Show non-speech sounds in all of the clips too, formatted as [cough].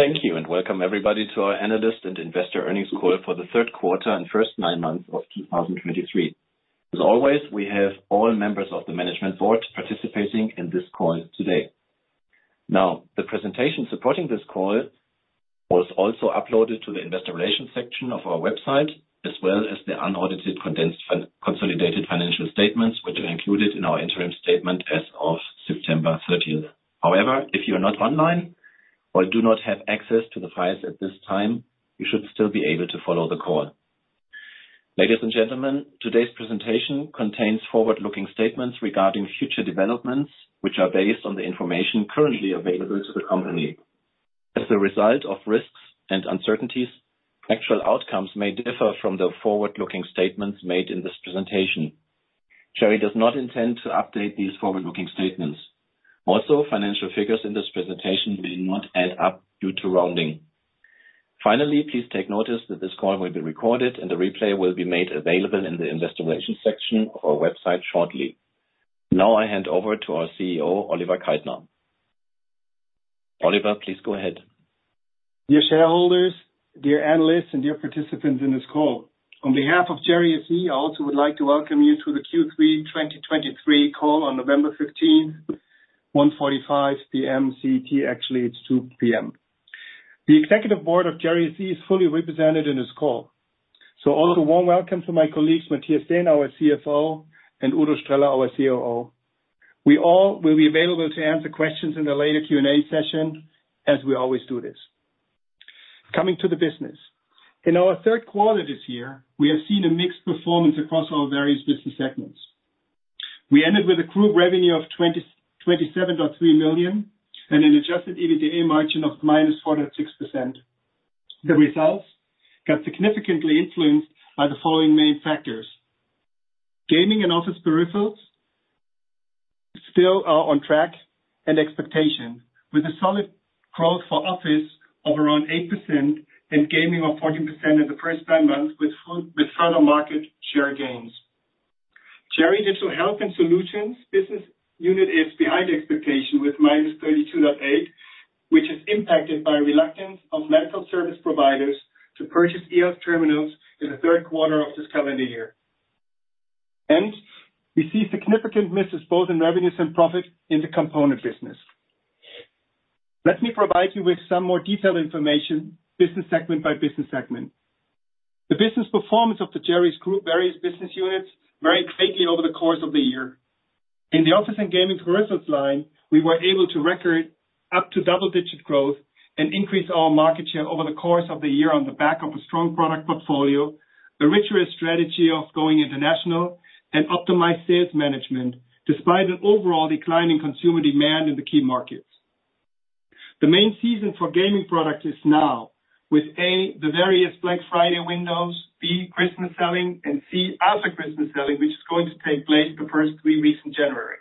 Thank you, and welcome everybody to our analyst and investor earnings call for the third quarter and first nine months of 2023. As always, we have all members of the management board participating in this call today. Now, the presentation supporting this call was also uploaded to the investor relations section of our website, as well as the unaudited condensed consolidated financial statements, which are included in our interim statement as of September 13. However, if you are not online or do not have access to the files at this time, you should still be able to follow the call. Ladies and gentlemen, today's presentation contains forward-looking statements regarding future developments, which are based on the information currently available to the company. As a result of risks and uncertainties, actual outcomes may differ from the forward-looking statements made in this presentation. Cherry does not intend to update these forward-looking statements. Also, financial figures in this presentation may not add up due to rounding. Finally, please take notice that this call will be recorded, and the replay will be made available in the investor relations section of our website shortly. Now I hand over to our CEO, Oliver Kaltner. Oliver, please go ahead. Dear shareholders, dear analysts, and dear participants in this call, on behalf of Cherry SE, I also would like to welcome you to the Q3 2023 call on November 15th, 1:45 P.M. CET. Actually, it's 2:00 P.M. The executive board of Cherry SE is fully represented in this call. So also a warm welcome to my colleagues, Mathias Dähn, our CFO, and Udo Streller, our COO. We all will be available to answer questions in the later Q&A session, as we always do this. Coming to the business. In our third quarter this year, we have seen a mixed performance across our various business segments. We ended with a group revenue of 27.3 million and an adjusted EBITDA margin of -4.6%. The results got significantly influenced by the following main factors. Gaming and office peripherals still are on track and expectation, with a solid growth for office of around 8% and gaming of 14% in the first nine months, with further market share gains. Cherry Digital Health and Solutions business unit is behind expectation with -32.8%, which is impacted by reluctance of medical service providers to purchase eHealth terminals in the third quarter of this calendar year. We see significant misses, both in revenues and profit, in the component business. Let me provide you with some more detailed information, business segment by business segment. The business performance of the Cherry's Group various business units varied greatly over the course of the year. In the office and gaming peripherals line, we were able to record up to double-digit growth and increase our market share over the course of the year on the back of a strong product portfolio, a richer strategy of going international, and optimized sales management, despite an overall decline in consumer demand in the key markets. The main season for gaming products is now with, A, the various Black Friday windows, B, Christmas selling, and C, after Christmas selling, which is going to take place the first week in January.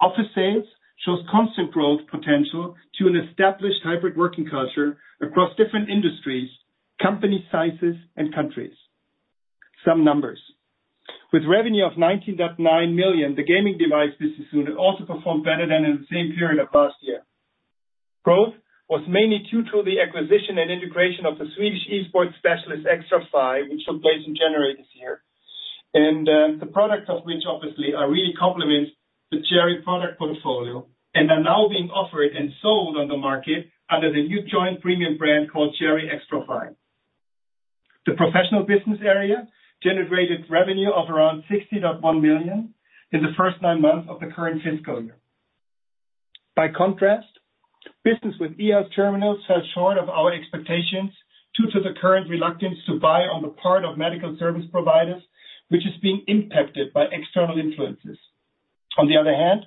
Office sales shows constant growth potential to an established hybrid working culture across different industries, company sizes, and countries. Some numbers. With revenue of 19.9 million, the gaming device business unit also performed better than in the same period of last year. Growth was mainly due to the acquisition and integration of the Swedish esports specialist, XTRFY, which took place in January this year, and the products of which obviously are really complement the Cherry product portfolio and are now being offered and sold on the market under the new joint premium brand called CHERRY XTRFY. The professional business area generated revenue of around 60.1 million in the first nine months of the current fiscal year. By contrast, business with eHealth terminals fell short of our expectations due to the current reluctance to buy on the part of medical service providers, which is being impacted by external influences. On the other hand,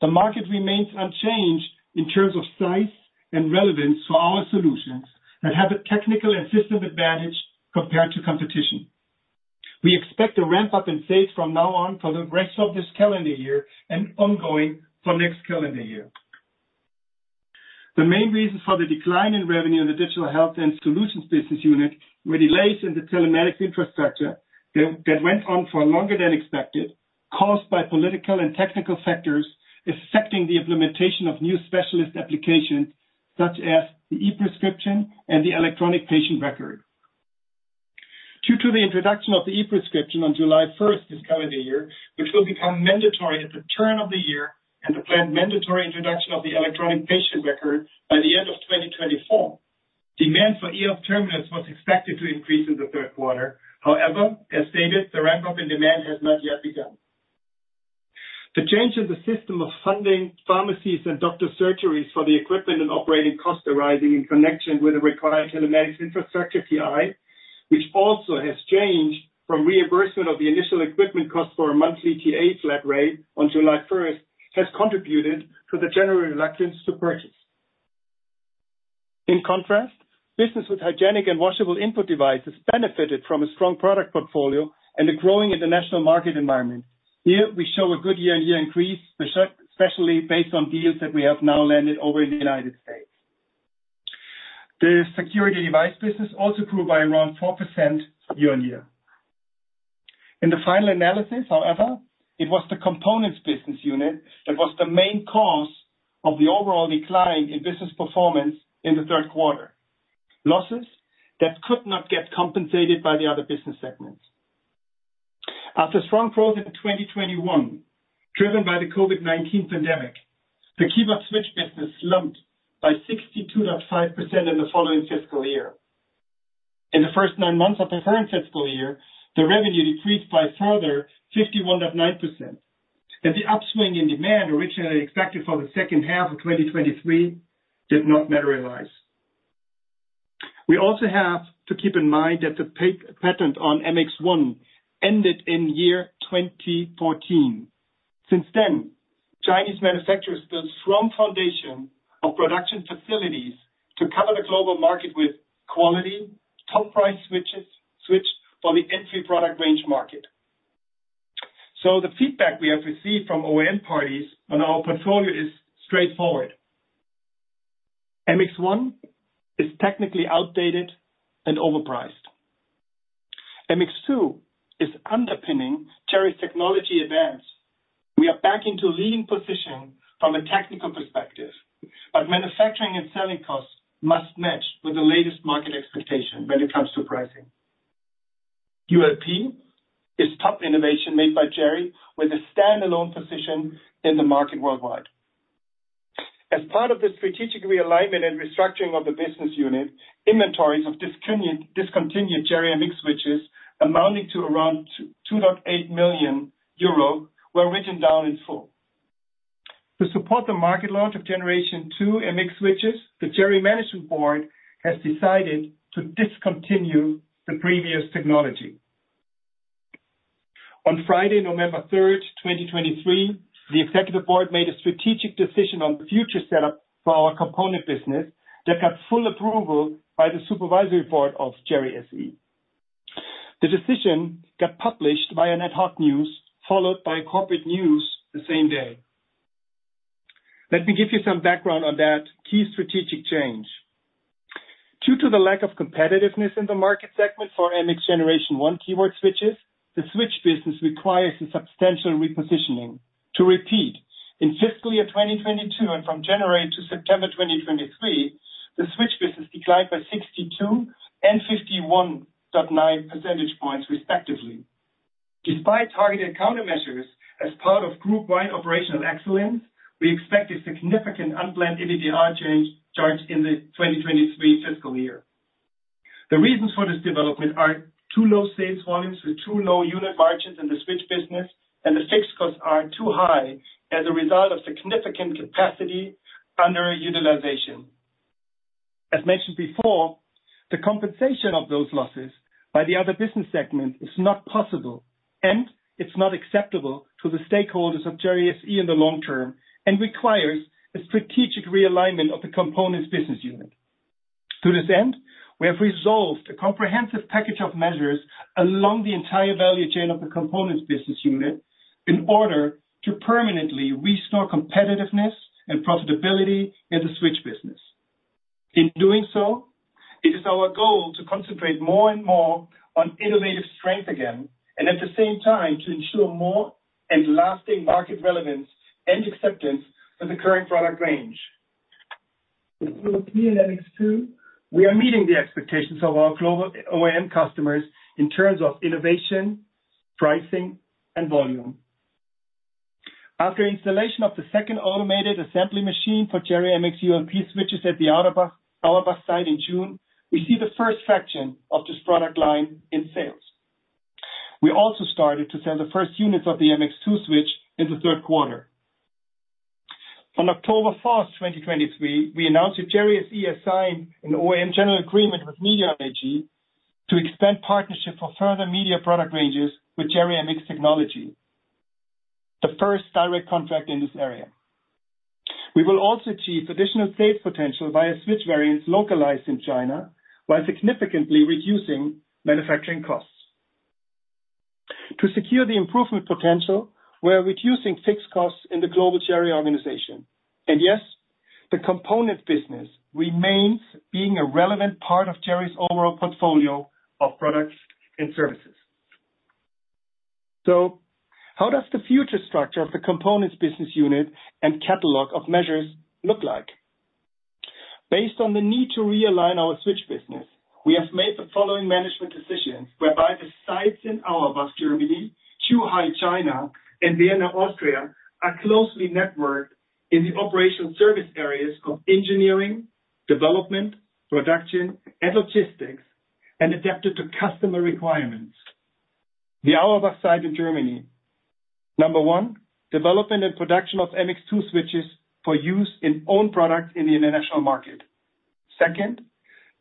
the market remains unchanged in terms of size and relevance for our solutions that have a technical and system advantage compared to competition. We expect a ramp-up in sales from now on for the rest of this calendar year and ongoing for next calendar year. The main reason for the decline in revenue in the digital health and solutions business unit were delays in the telematics infrastructure that went on for longer than expected, caused by political and technical factors affecting the implementation of new specialist applications, such as the e-prescription and the electronic patient record. Due to the introduction of the e-prescription on July 1st this calendar year, which will become mandatory at the turn of the year, and the planned mandatory introduction of the electronic patient record by the end of 2024, demand for eHealth terminals was expected to increase in the third quarter. However, as stated, the ramp-up in demand has not yet begun. The change in the system of funding pharmacies and doctor surgeries for the equipment and operating costs arising in connection with the required telematics infrastructure TI, which also has changed from reimbursement of the initial equipment cost for a monthly TA flat rate on July 1st, has contributed to the general reluctance to purchase. In contrast, business with hygienic and washable input devices benefited from a strong product portfolio and a growing international market environment. Here, we show a good year-on-year increase, especially based on deals that we have now landed over in the United States. The security device business also grew by around 4% year-on-year. In the final analysis, however, it was the components business unit that was the main cause of the overall decline in business performance in the third quarter. Losses that could not get compensated by the other business segments. After strong growth in 2021, driven by the COVID-19 pandemic, the keyboard switch business slumped by 62.5% in the following fiscal year. In the first nine months of the current fiscal year, the revenue decreased by further 51.9%, and the upswing in demand originally expected for the second half of 2023 did not materialize. We also have to keep in mind that the patent on MX1 ended in year 2014. Since then, Chinese manufacturers built strong foundation of production facilities to cover the global market with quality, top price switches for the entry product range market. So the feedback we have received from OEM parties on our portfolio is straightforward. MX1 is technically outdated and overpriced. MX2 is underpinning Cherry's technology advance. We are back into leading position from a technical perspective, but manufacturing and selling costs must match with the latest market expectation when it comes to pricing. ULP is top innovation made by Cherry, with a standalone position in the market worldwide. As part of the strategic realignment and restructuring of the business unit, inventories of discontinued Cherry MX switches amounting to around 2.8 million euro were written down in full. To support the market launch of Generation 2 MX switches, the Cherry management board has decided to discontinue the previous technology. On Friday, November 3rd, 2023, the executive board made a strategic decision on the future setup for our component business that got full approval by the supervisory board of Cherry SE. The decision got published by an ad hoc news, followed by a corporate news the same day. Let me give you some background on that key strategic change. Due to the lack of competitiveness in the market segment for MX Generation 1 keyboard switches, the switch business requires a substantial repositioning. To repeat, in fiscal year 2022 and from January to September 2023, the switch business declined by 62 and 51.9 percentage points, respectively. Despite targeted countermeasures as part of group-wide operational excellence, we expect a significant unplanned EBITDA charge in the 2023 fiscal year. The reasons for this development are too low sales volumes with too low unit margins in the switch business, and the fixed costs are too high as a result of significant capacity underutilization. As mentioned before, the compensation of those losses by the other business segment is not possible, and it's not acceptable to the stakeholders of Cherry SE in the long term, and requires a strategic realignment of the components business unit. To this end, we have resolved a comprehensive package of measures along the entire value chain of the components business unit in order to permanently restore competitiveness and profitability in the switch business. In doing so, it is our goal to concentrate more and more on innovative strength again, and at the same time, to ensure more and lasting market relevance and acceptance of the current product range. With ULP MX2, we are meeting the expectations of our global OEM customers in terms of innovation, pricing, and volume. After installation of the second automated assembly machine for Cherry MX ULP switches at the Auerbach site in June, we see the first fraction of this product line in sales. We also started to sell the first units of the MX2 switch in the third quarter. On October first, 2023, we announced that Cherry SE has signed an OEM general agreement with MEDION AG to expand partnership for further media product ranges with Cherry MX technology, the first direct contract in this area. We will also achieve additional sales potential via switch variants localized in China, while significantly reducing manufacturing costs. To secure the improvement potential, we are reducing fixed costs in the global Cherry organization. And yes, the components business remains being a relevant part of Cherry's overall portfolio of products and services. So how does the future structure of the components business unit and catalog of measures look like? Based on the need to realign our switch business, we have made the following management decisions, whereby the sites in Auerbach, Germany, Zhuhai, China, and Vienna, Austria, are closely networked in the operational service areas of engineering, development, production, and logistics, and adapted to customer requirements. The Auerbach site in Germany. Number one, development and production MX2 switches for use in own products in the international market. Second,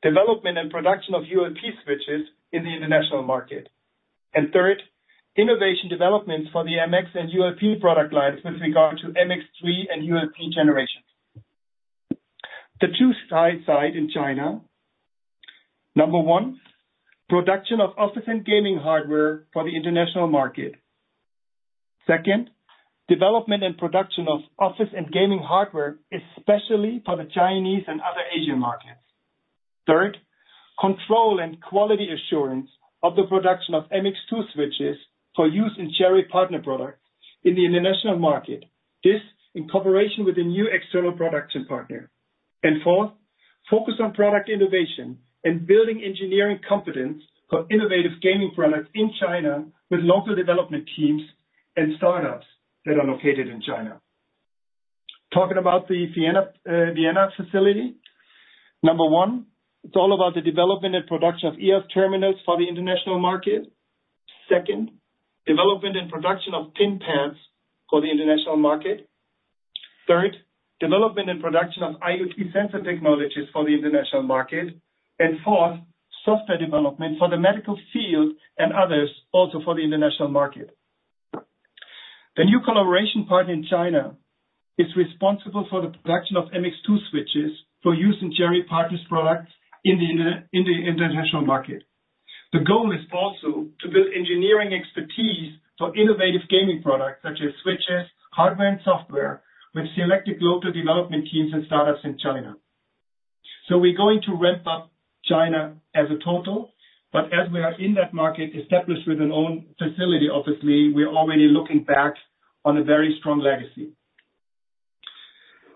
development and production of ULP switches in the international market. And third, innovation development for the MX and ULP product lines with regard to MX 3 and ULP generations. The Zhuhai site in China. Number one, production of office and gaming hardware for the international market. Second, development and production of office and gaming hardware, especially for the Chinese and other Asian markets. Third, control and quality assurance of the production MX2 switches for use in Cherry partner products in the international market. This, in cooperation with a new external production partner. And fourth, focus on product innovation and building engineering competence for innovative gaming products in China, with local development teams and startups that are located in China. Talking about the Vienna facility. Number one, it's all about the development and production of eHealth terminals for the international market. Second, development and production of PIN pads for the international market. Third, development and production of IoT sensor technologies for the international market. And fourth, software development for the medical field and others, also for the international market. The new collaboration partner in China is responsible for the production of MX2 switches for use in Cherry partners' products in the international market. The goal is also to build engineering expertise for innovative gaming products, such as switches, hardware, and software, with selected global development teams and startups in China. So we're going to ramp up China as a total, but as we are in that market, established with an own facility, obviously, we're already looking back on a very strong legacy.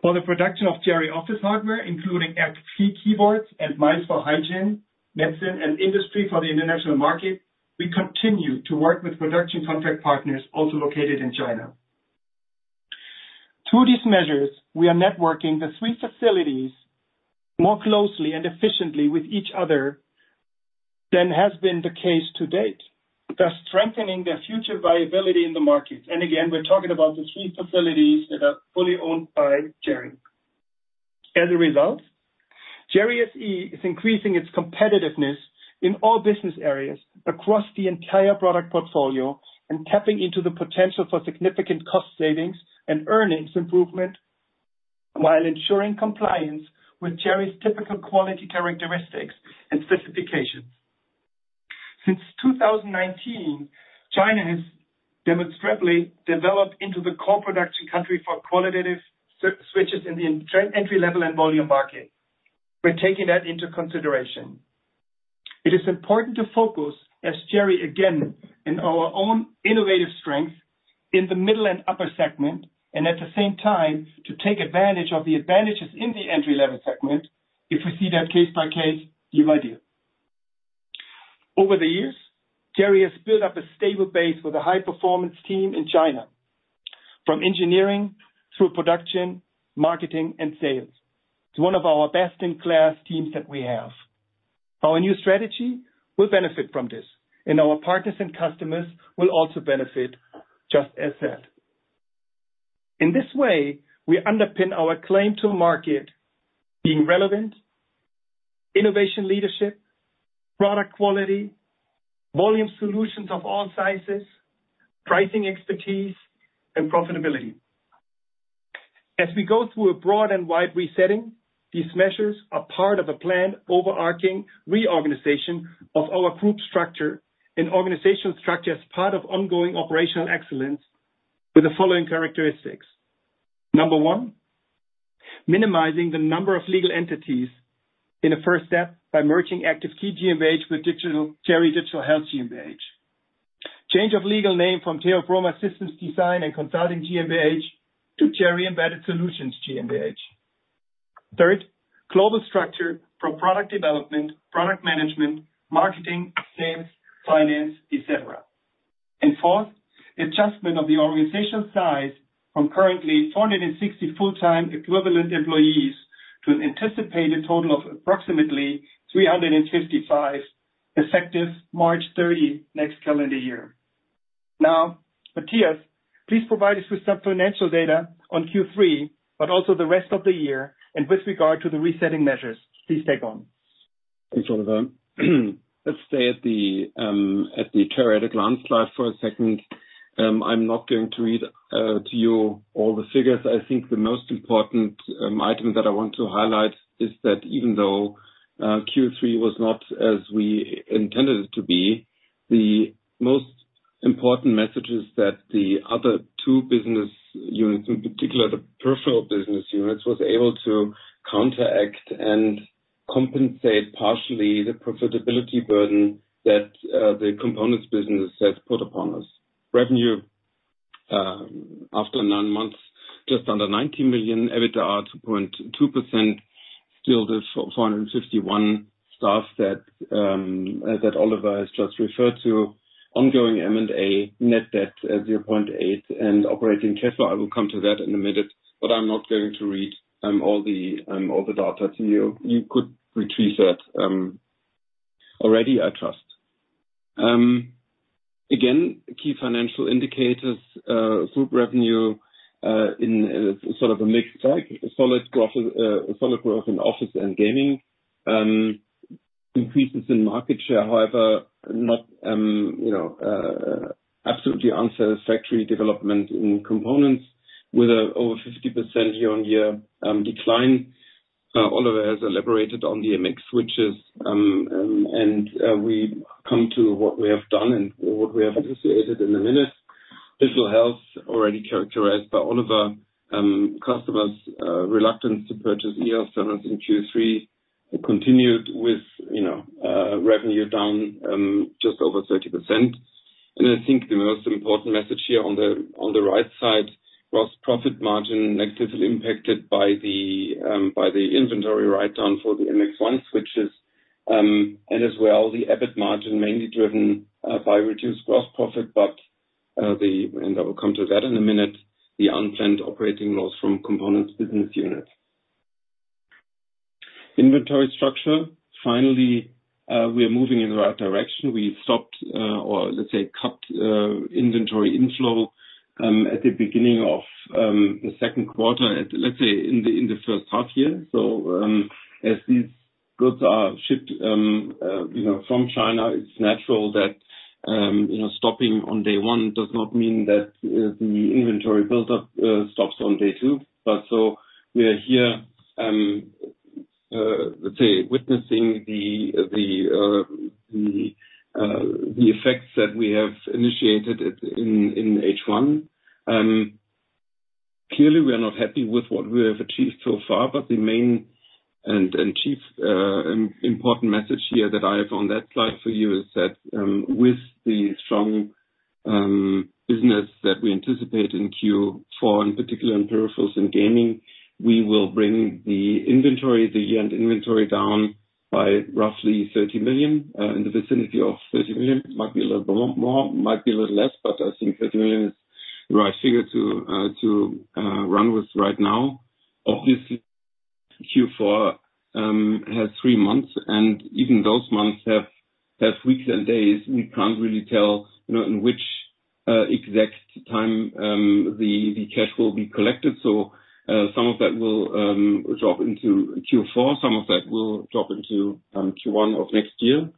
For the production of Cherry office hardware, including Active Key keyboards and mice for hygiene, medicine, and industry for the international market, we continue to work with production contract partners also located in China. Through these measures, we are networking the three facilities more closely and efficiently with each other than has been the case to date, thus strengthening their future viability in the market. And again, we're talking about the three facilities that are fully owned by Cherry. As a result, Cherry SE is increasing its competitiveness in all business areas across the entire product portfolio, and tapping into the potential for significant cost savings and earnings improvement, while ensuring compliance with Cherry's typical quality characteristics and specifications. Since 2019, China has demonstrably developed into the core production country for qualitative switches in the entry level and volume market. We're taking that into consideration. It is important to focus as Cherry, again, in our own innovative strength in the middle and upper segment, and at the same time, to take advantage of the advantages in the entry-level segment, if we see that case by case, deal by deal. Over the years, Cherry has built up a stable base with a high performance team in China, from engineering through production, marketing, and sales. It's one of our best in class teams that we have. Our new strategy will benefit from this, and our partners and customers will also benefit just as that. In this way, we underpin our claim to market being relevant, innovation leadership, product quality, volume solutions of all sizes, pricing expertise, and profitability. As we go through a broad and wide resetting, these measures are part of a planned overarching reorganization of our group structure and organizational structure as part of ongoing operational excellence with the following characteristics. Number one, minimizing the number of legal entities in a first step by merging Active Key GmbH with Cherry Digital Health GmbH. Change of legal name from Theobroma Systems Design and Consulting GmbH to Cherry Embedded Solutions GmbH. Third, global structure for product development, product management, marketing, sales, finance, et cetera. And fourth, adjustment of the organizational size from currently 460 full-time equivalent employees, to an anticipated total of approximately 355, effective March 30, next calendar year. Now, Mathias, please provide us with some financial data on Q3, but also the rest of the year and with regard to the resetting measures. Please, take on. Thanks, Oliver. Let's stay at the Cherry at a glance slide for a second. I'm not going to read to you all the figures. I think the most important item that I want to highlight is that even though Q3 was not as we intended it to be, the most important message is that the other two business units, in particular, the peripheral business units, was able to counteract and compensate partially the profitability burden that the components business has put upon us. Revenue after nine months, just under 90 million, EBITDA 2.2%. Still, the 451 staff that Oliver has just referred to. Ongoing M&A net debt 0.8, and operating cash flow, I will come to that in a minute. But I'm not going to read all the data to you. You could retrieve that already, I trust. Again, key financial indicators, group revenue in sort of a mixed bag. Solid growth, solid growth in office and gaming. Increases in market share, however, not absolutely unsatisfactory development in components with over 50% year-on-year decline. Oliver has elaborated on the MX switches, and we come to what we have done and what we have anticipated in a minute. Digital health already characterized by Oliver, customers' reluctance to purchase eHealth servers in Q3 continued with revenue down just over 30%. I think the most important message here on the right side, gross profit margin negatively impacted by the inventory write-down for the MX1 switches. And as well, the EBIT margin, mainly driven by reduced gross profit, but the-- and I will come to that in a minute, the unplanned operating loss from components business unit. Inventory structure, finally, we are moving in the right direction. We stopped, or let's say, cut, inventory inflow at the beginning of the second quarter at, let's say, in the first half year. So, as these goods are shipped, you know, from China, it's natural that, you know, stopping on day one does not mean that the inventory build-up stops on day two. But so we are here, let's say, witnessing the effects that we have initiated in H1. Clearly, we are not happy with what we have achieved so far, but the main and chief important message here that I have on that slide for you is that, with the strong business that we anticipate in Q4, in particular in peripherals and gaming, we will bring the inventory, the end inventory down by roughly 30 million, in the vicinity of 30 million. Might be a little bit more, might be a little less, but I think 30 million is the right figure to run with right now. Obviously, Q4 has three months, and even those months have weeks and days. We can't really tell, you know, in which exact time the cash will be collected. So, some of that will drop into Q4, some of that will drop into Q1 of next year.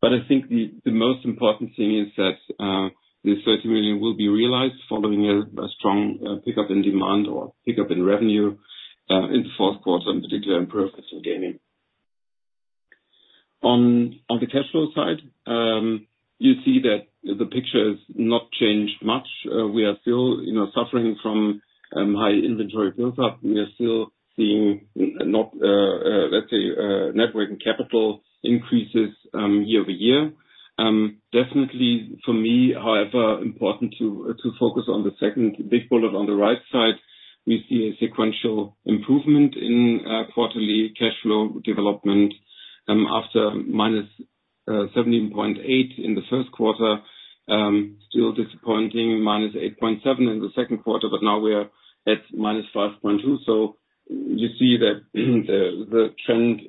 But I think the most important thing is that this 30 million will be realized following a strong pickup in demand or pickup in revenue in the fourth quarter, in particular in peripherals and gaming. On the cash flow side, you see that the picture has not changed much. We are still, you know, suffering from high inventory build-up. We are still seeing, let's say, net working capital increases year-over-year. Definitely for me, however, important to focus on the second big bullet on the right side, we see a sequential improvement in quarterly cash flow development after -17.8 in the first quarter. Still disappointing, -8.7 in the second quarter, but now we are at -5.2. So you see that the, the trend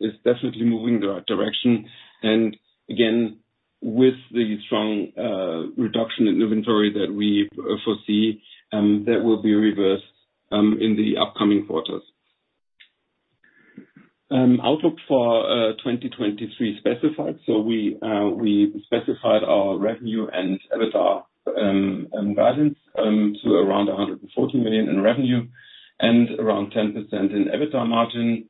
is definitely moving the right direction. And again, with the strong reduction in inventory that we foresee, that will be reversed in the upcoming quarters. Outlook for 2023 specified. So we we specified our revenue and EBITDA guidance to around 140 million in revenue and around 10% in EBITDA margin.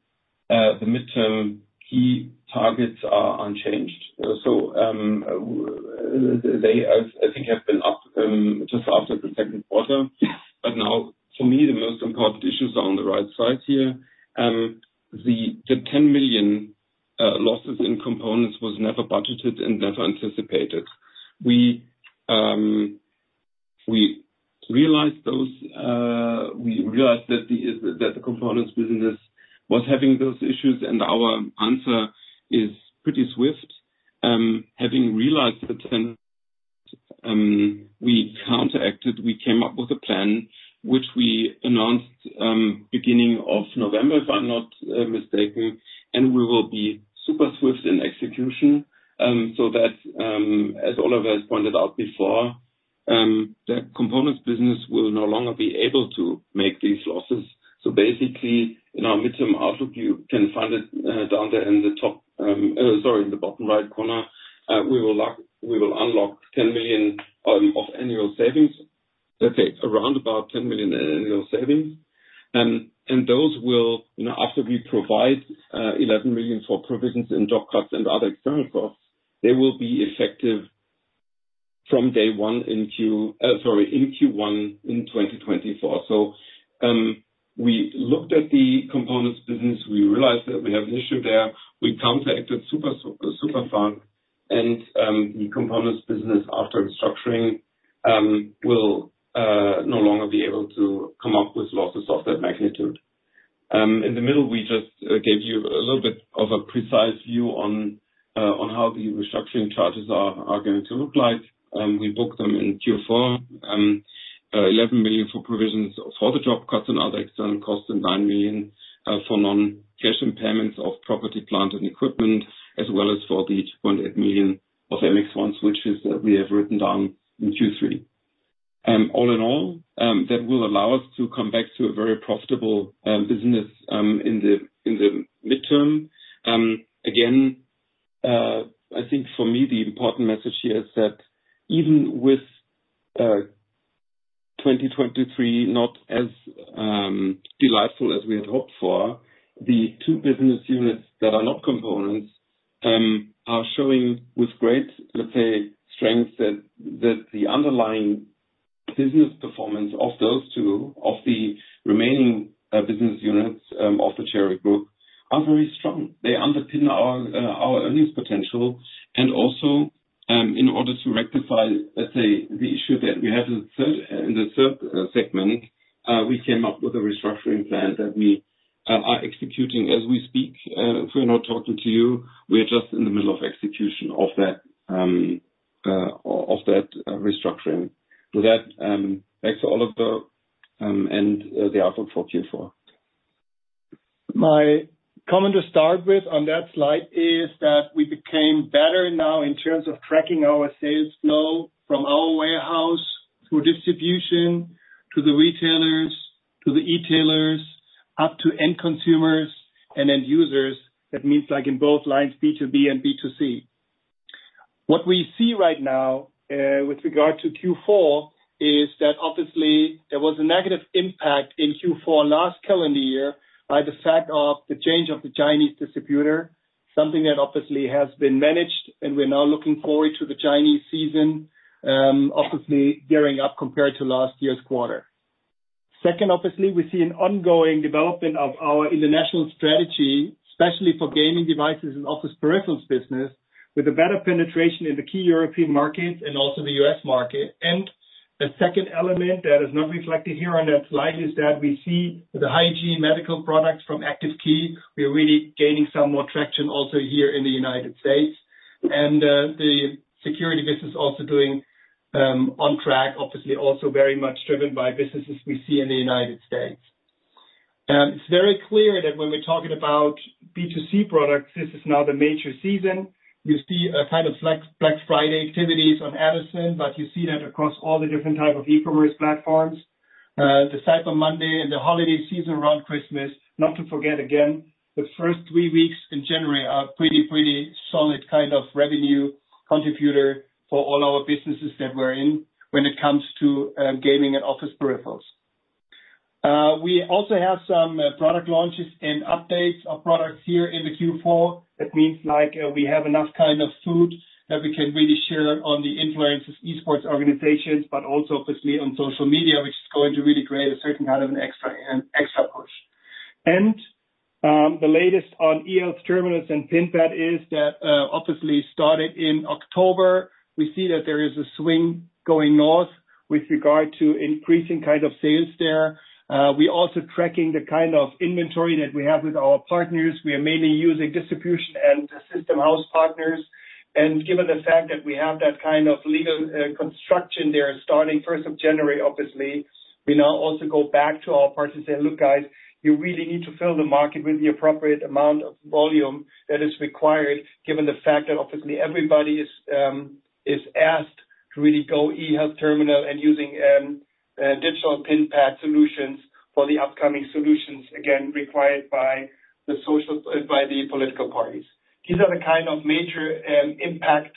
The midterm key targets are unchanged. So, they, I think, have been up just after the second quarter. But now, for me, the most important issues are on the right side here. The 10 million losses in components was never budgeted and never anticipated. We realized those, we realized that the components business was having those issues, and our answer is pretty swift. Having realized the 10, we counteracted, we came up with a plan which we announced beginning of November, if I'm not mistaken, and we will be super swift in execution. So that, as Oliver has pointed out before, the components business will no longer be able to make these losses. So basically, in our midterm outlook, you can find it down there in the top, sorry, in the bottom right corner. We will unlock 10 million of annual savings. Let's say around about 10 million annual savings. And those will, you know, after we provide 11 million for provisions and job cuts and other external costs, they will be effective from day one in Q1 2024. So, we looked at the components business. We realized that we have an issue there. We counteracted super, super fast, and the components business, after restructuring, will no longer be able to come up with losses of that magnitude. In the middle, we just gave you a little bit of a precise view on how the restructuring charges are going to look like. We booked them in Q4, 11 million for provisions for the job cuts and other external costs, and 9 million for non-cash impairments of property, plant, and equipment, as well as for the 2.8 million of MX1 switches that we have written down in Q3. All in all, that will allow us to come back to a very profitable business in the midterm. Again, I think for me, the important message here is that even with, 2023, not as delightful as we had hoped for. The two business units that are not components are showing with great, let's say, strength that the underlying business performance of those two of the remaining business units of the Cherry Group are very strong. They underpin our earnings potential, and also in order to rectify, let's say, the issue that we have in the third segment, we came up with a restructuring plan that we are executing as we speak. If we're not talking to you, we are just in the middle of execution of that restructuring. So that, thanks to all of the, and the outlook for Q4. My comment to start with on that slide is that we became better now in terms of tracking our sales flow from our warehouse to distribution, to the retailers, to the e-tailers, up to end consumers and end users. That means, like in both lines, B2B and B2C. What we see right now, with regard to Q4, is that obviously there was a negative impact in Q4 last calendar year, by the fact of the change of the Chinese distributor. Something that obviously has been managed, and we're now looking forward to the Chinese season, obviously gearing up compared to last year's quarter. Second, obviously, we see an ongoing development of our international strategy, especially for gaming devices and office peripherals business, with a better penetration in the key European markets and also the U.S. market. The second element that is not reflected here on that slide is that we see the hygiene medical products from Active Key. We are really gaining some more traction also here in the United States. And the security business also doing on track, obviously also very much driven by businesses we see in the United States. It's very clear that when we're talking about B2C products, this is now the major season. You see a kind of Black Friday activities on Amazon, but you see that across all the different type of e-commerce platforms. The Cyber Monday and the holiday season around Christmas, not to forget again, the first three weeks in January are pretty solid kind of revenue contributor for all our businesses that we're in when it comes to gaming and office peripherals. We also have some product launches and updates of products here in the Q4. That means, like, we have enough kind of footage that we can really share on the influencers, esports organizations, but also obviously on social media, which is going to really create a certain kind of an extra, an extra push. The latest on eHealth terminals and PIN pad is that, obviously started in October. We see that there is a swing going north with regard to increasing kind of sales there. We're also tracking the kind of inventory that we have with our partners. We are mainly using distribution and system house partners, and given the fact that we have that kind of legal construction there, starting 1st of January, obviously, we now also go back to our partners and say, "Look, guys, you really need to fill the market with the appropriate amount of volume that is required," given the fact that obviously everybody is asked to really go eHealth terminal and using digital PIN pad solutions for the upcoming solutions, again, required by the political parties. These are the kind of major impact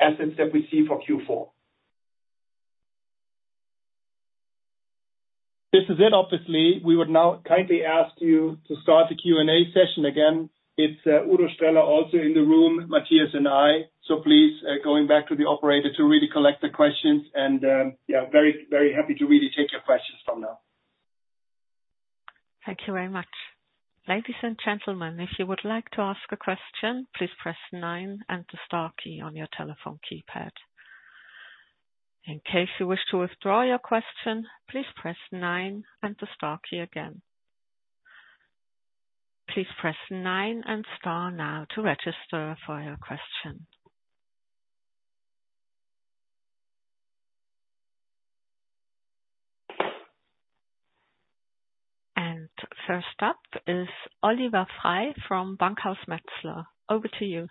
assets that we see for Q4. This is it, obviously. We would now kindly ask you to start the Q&A session again. It's Udo Streller, also in the room, Matthias and I. So please, going back to the operator to really collect the questions and, yeah, very, very happy to really take your questions from now. Thank you very much. Ladies and gentlemen, if you would like to ask a question, please press nine and the star key on your telephone keypad. In case you wish to withdraw your question, please press nine and the star key again. Please press nine and star now to register for your question. First up is Oliver Frey from Bankhaus Metzler. Over to you.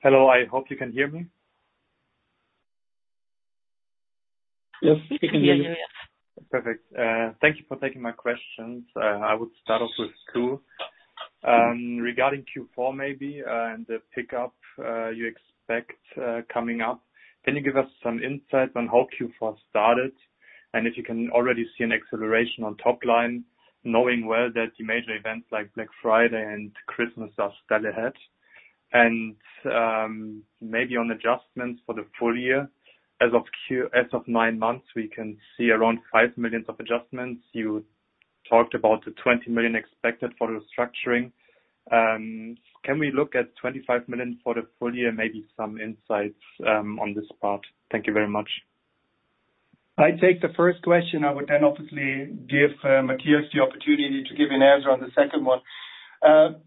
Hello, I hope you can hear me? Yes, we can hear you. We can hear you, yes. Perfect. Thank you for taking my questions. I would start off with two. Regarding Q4 maybe, and the pickup you expect coming up. Can you give us some insight on how Q4 started? And if you can already see an acceleration on top line, knowing well that the major events like Black Friday and Christmas are still ahead. And maybe on adjustments for the full year. As of Q-- as of nine months, we can see around 5 million of adjustments. You talked about the 20 million expected for the restructuring. Can we look at 25 million for the full year? Maybe some insights on this part. Thank you very much. I take the first question. I would then obviously give Mathias the opportunity to give you an answer on the second one.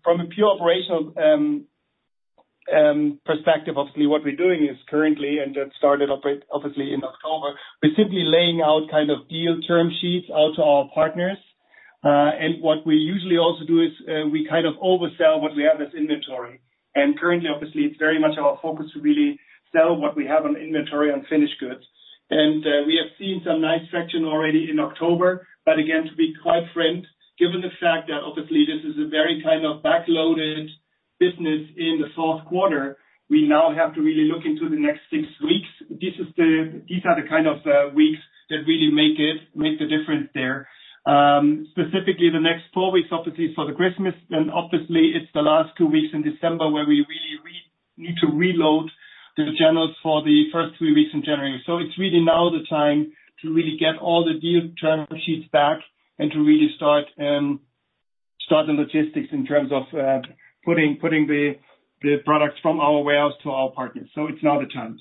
From a pure operational perspective, obviously, what we're doing is currently, and that started obviously in October, we're simply laying out kind of deal term sheets out to our partners. And what we usually also do is, we kind of oversell what we have as inventory. And currently, obviously, it's very much our focus to really sell what we have on inventory on finished goods. And we have seen some nice traction already in October, but again, to be quite frank, given the fact that obviously this is a very kind of backloaded business in the fourth quarter, we now have to really look into the next six weeks. These are the kind of weeks that really make it, make the difference there. Specifically, the next four weeks, obviously, for Christmas, and obviously, it's the last two weeks in December where we really need to reload the channels for the first three weeks in January. So it's really now the time to really get all the deal term sheets back and to really start the logistics in terms of putting the products from our warehouse to our partners. So it's now the time.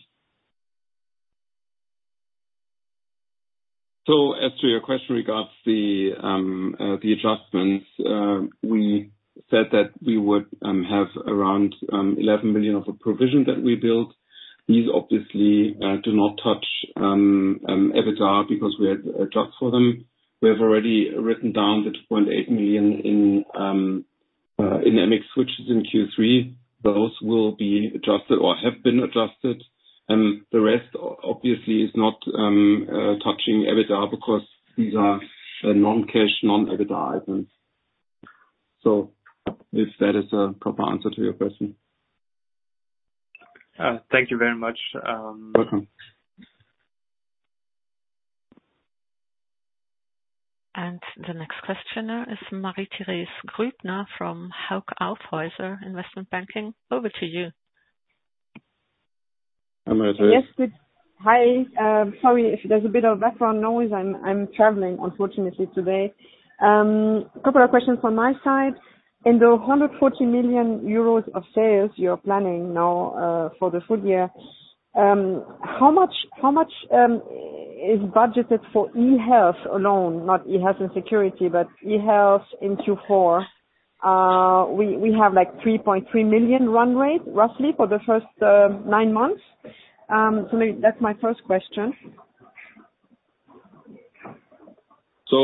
So as to your question regards the, the adjustments, we said that we would have around 11 million of a provision that we built. These obviously do not touch EBITDA because we had adjusted for them. We have already written down the 2.8 million in MX switches in Q3. Those will be adjusted or have been adjusted, and the rest obviously is not touching EBITDA because these are a non-cash, non-EBITDA items. So if that is a proper answer to your question. Thank you very much, Welcome. The next questioner is Marie-Thérèse Grübner from Hauck Aufhäuser Investment Banking. Over to you. Hi, Marie. Yes, good. Hi. Sorry if there's a bit of background noise. I'm traveling, unfortunately, today. A couple of questions from my side. In the 140 million euros of sales you're planning now, for the full year, how much is budgeted for eHealth alone? Not eHealth and security, but eHealth in Q4. We have, like, a 3.3 million run rate, roughly, for the first nine months. So that's my first question. So,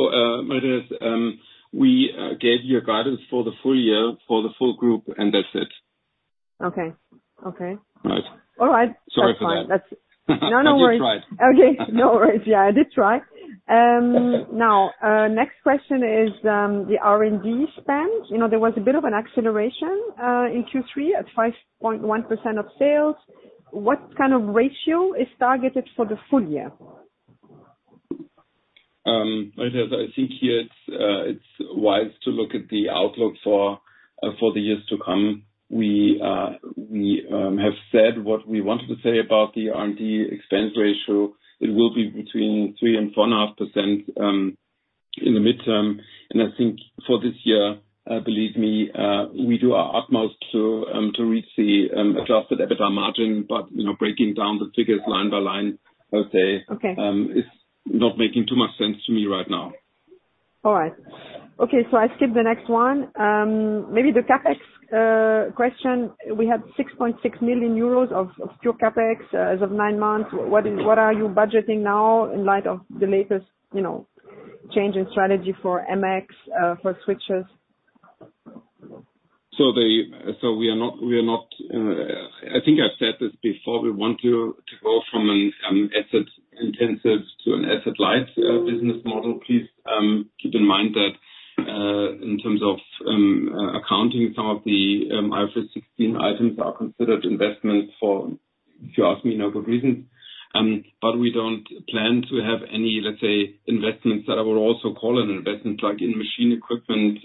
Marie-Thérèse, we gave you a guidance for the full year for the full group, and that's it. Okay. Okay. Right. All right. Sorry for that. That's fine. [crosstalk] No, no worries. You tried. Okay, no worries. Yeah, I did try. Now, next question is, the R&D spend. You know, there was a bit of an acceleration in Q3 at 5.1% of sales. What kind of ratio is targeted for the full year? Marie-Therese, I think here it's, it's wise to look at the outlook for, for the years to come. We have said what we wanted to say about the R&D expense ratio. It will be between 3% and 4.5%, in the midterm, and I think for this year, believe me, we do our utmost to reach the adjusted EBITDA margin, but, you know, breaking down the figures line by line, I would say- Okay. - is not making too much sense to me right now. All right. Okay, so I skip the next one. Maybe the CapEx question. We had 6.6 million euros of, of pure CapEx as of nine months. What is- what are you budgeting now in light of the latest, you know, change in strategy for MX, for switches? So we are not, we are not, I think I've said this before, we want to go from an asset-intensive to an asset-light business model. Please keep in mind that in terms of accounting, some of the IFRS 16 items are considered investments for, if you ask me, no good reason. But we don't plan to have any, let's say, investments that I would also call an investment, like in machine equipment,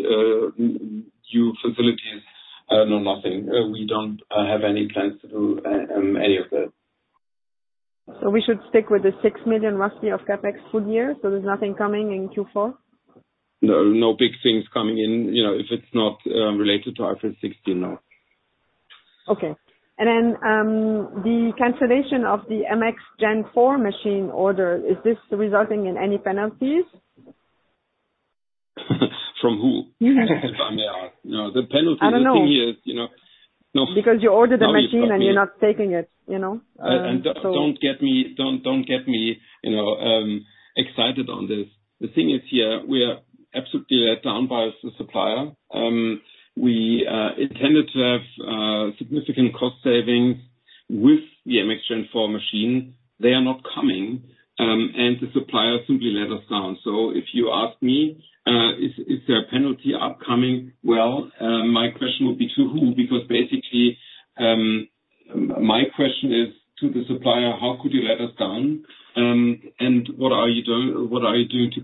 new facilities, no, nothing. We don't have any plans to do any of that. We should stick with the roughly 6 million of CapEx full year, so there's nothing coming in Q4? No, no big things coming in, you know, if it's not related to IFRS 16, no. Okay. And then, the cancellation of the MX Gen4 machine order, is this resulting in any penalties? From who? If I may ask. No, the penalty- I don't know. The thing is, you know, no- [crosstalk] Because you ordered the machine- [crosstalk] Now you got me. [crosstalk] and you're not taking it, you know? So. Don't get me, you know, excited on this. The thing is here, we are absolutely let down by the supplier. We intended to have significant cost savings with the MX Gen4 machine. They are not coming, and the supplier simply let us down. So if you ask me, is there a penalty upcoming? Well, my question would be to who? Because basically, my question is to the supplier: How could you let us down, and what are you doing to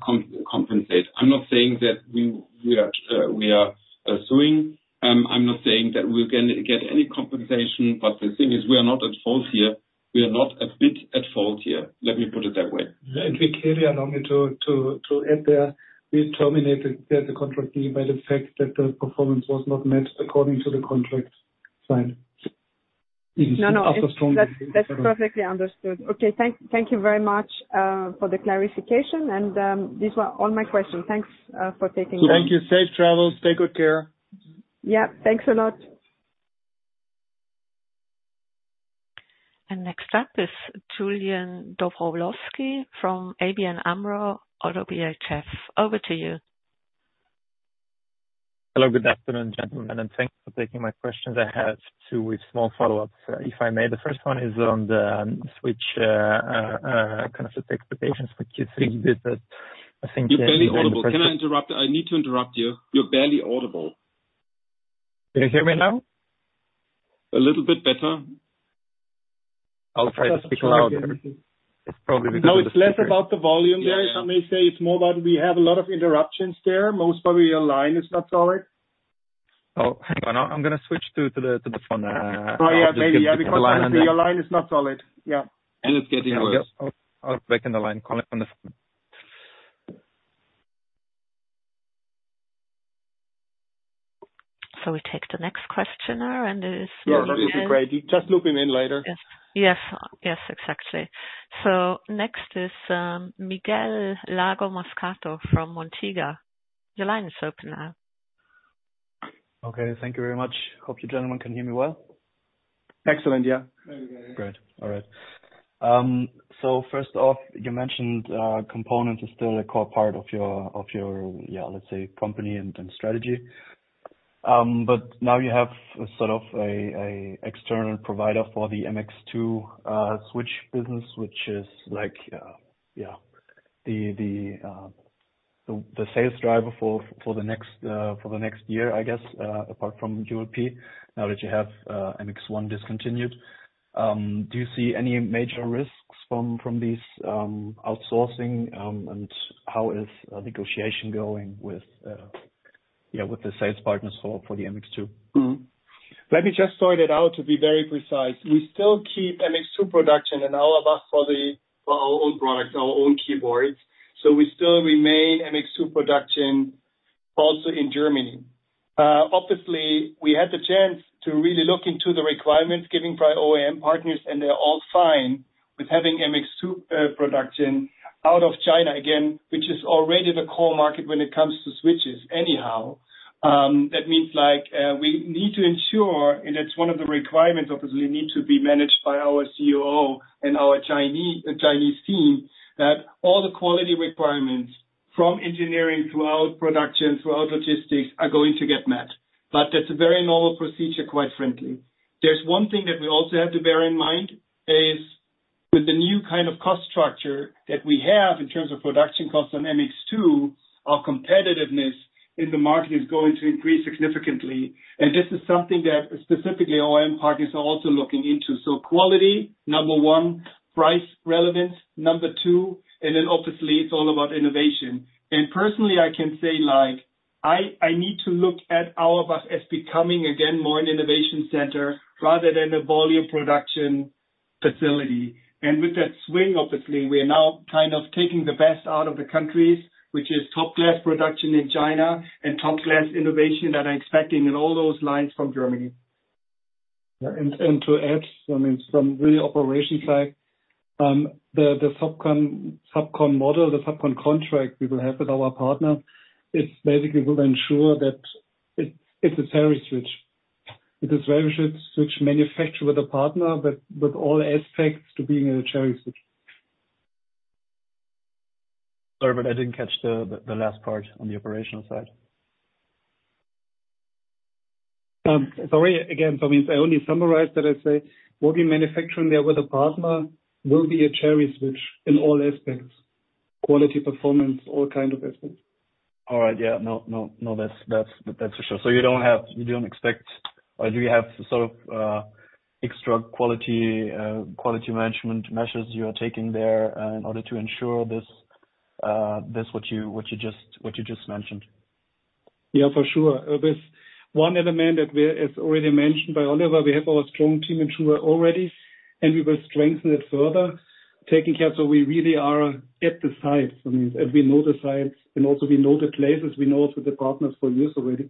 compensate? I'm not saying that we are suing. I'm not saying that we're gonna get any compensation, but the thing is, we are not at fault here. We are not a bit at fault here. Let me put it that way. Okay allow me to enter. We terminated the contract by the fact that the performance was not met according to the contract signed. No, no- After strong- That's perfectly understood. Okay, thank you very much for the clarification, and these were all my questions. Thanks for taking them. Thank you. Safe travel. Take good care. Yeah. Thanks a lot. Next up is Julian Dobrovolschi from ABN AMRO - ODDO BHF. Over to you. Hello, good afternoon, gentlemen, and thanks for taking my questions. I have two with small follow-ups, if I may. The first one is on the switch, kind of the expectations for Q3 with the-... You're barely audible. Can I interrupt? I need to interrupt you. You're barely audible. Can you hear me now? A little bit better. I'll try to speak louder. It's probably because of the- [crosstalk] No, it's less about the volume there. I may say it's more about we have a lot of interruptions there. Most probably your line is not solid. Oh, hang on. I'm gonna switch to the phone. Oh, yeah, maybe, yeah, because honestly, your line is not solid. Yeah. It's getting worse. I'll break in the line, call it on the phone. We take the next questioner, and it is- Yeah, that would be great. Just loop him in later. Yes. Yes, exactly. So next is, Miguel Lago Mascato from Montega. Your line is open now. Okay, thank you very much. Hope you gentlemen can hear me well. Excellent, yeah. Great. All right. So first off, you mentioned components is still a core part of your, yeah, let's say, company and strategy. But now you have a sort of a external provider for the MX2 switch business, which is like, yeah, the sales driver for the next year, I guess, apart from ULP, now that you have MX1 discontinued. Do you see any major risks from this outsourcing? And how is negotiation going with, yeah, with the sales partners for the MX2? Mm-hmm. Let me just sort it out to be very precise. We still keep MX2 production in Auerbach for our own products, our own keyboards. So we still remain MX2 production also in Germany. Obviously, we had the chance to really look into the requirements given by OEM partners, and they're all fine with having MX2 production out of China again, which is already the core market when it comes to switches anyhow. That means like, we need to ensure, and it's one of the requirements, obviously, need to be managed by our COO and our Chinese team, that all the quality requirements from engineering throughout production, throughout logistics, are going to get met. But that's a very normal procedure, quite frankly. There's one thing that we also have to bear in mind, is with the new kind of cost structure that we have in terms of production costs on MX2, our competitiveness in the market is going to increase significantly. And this is something that specifically OEM partners are also looking into. So quality, number one, price relevance, number two, and then obviously, it's all about innovation. And personally, I can say, like, I, I need to look at all of us as becoming again, more an innovation center rather than a volume production facility. And with that swing, obviously, we are now kind of taking the best out of the countries, which is top-class production in China and top-class innovation that I'm expecting in all those lines from Germany. Yeah, and to add, I mean, some really operational side, the subcon model, the subcon contract we will have with our partner, it basically will ensure that it's a Cherry switch. It is very switch manufacture with a partner, but with all aspects to being a Cherry switch. Sorry, but I didn't catch the last part on the operational side. Sorry, again, so means I only summarize that I say, we'll be manufacturing there with a partner. It will be a Cherry switch in all aspects, quality, performance, all kind of aspects. All right. Yeah. No, no, no, that's, that's, that's for sure. So you don't have—you don't expect, or do you have sort of extra quality management measures you are taking there in order to ensure this, what you just mentioned? Yeah, for sure. There's one element that we, as already mentioned by Oliver, we have our strong team ensure already, and we will strengthen it further, taking care so we really are at the site. I mean, we know the sites and also we know the places, we know also the partners for years already.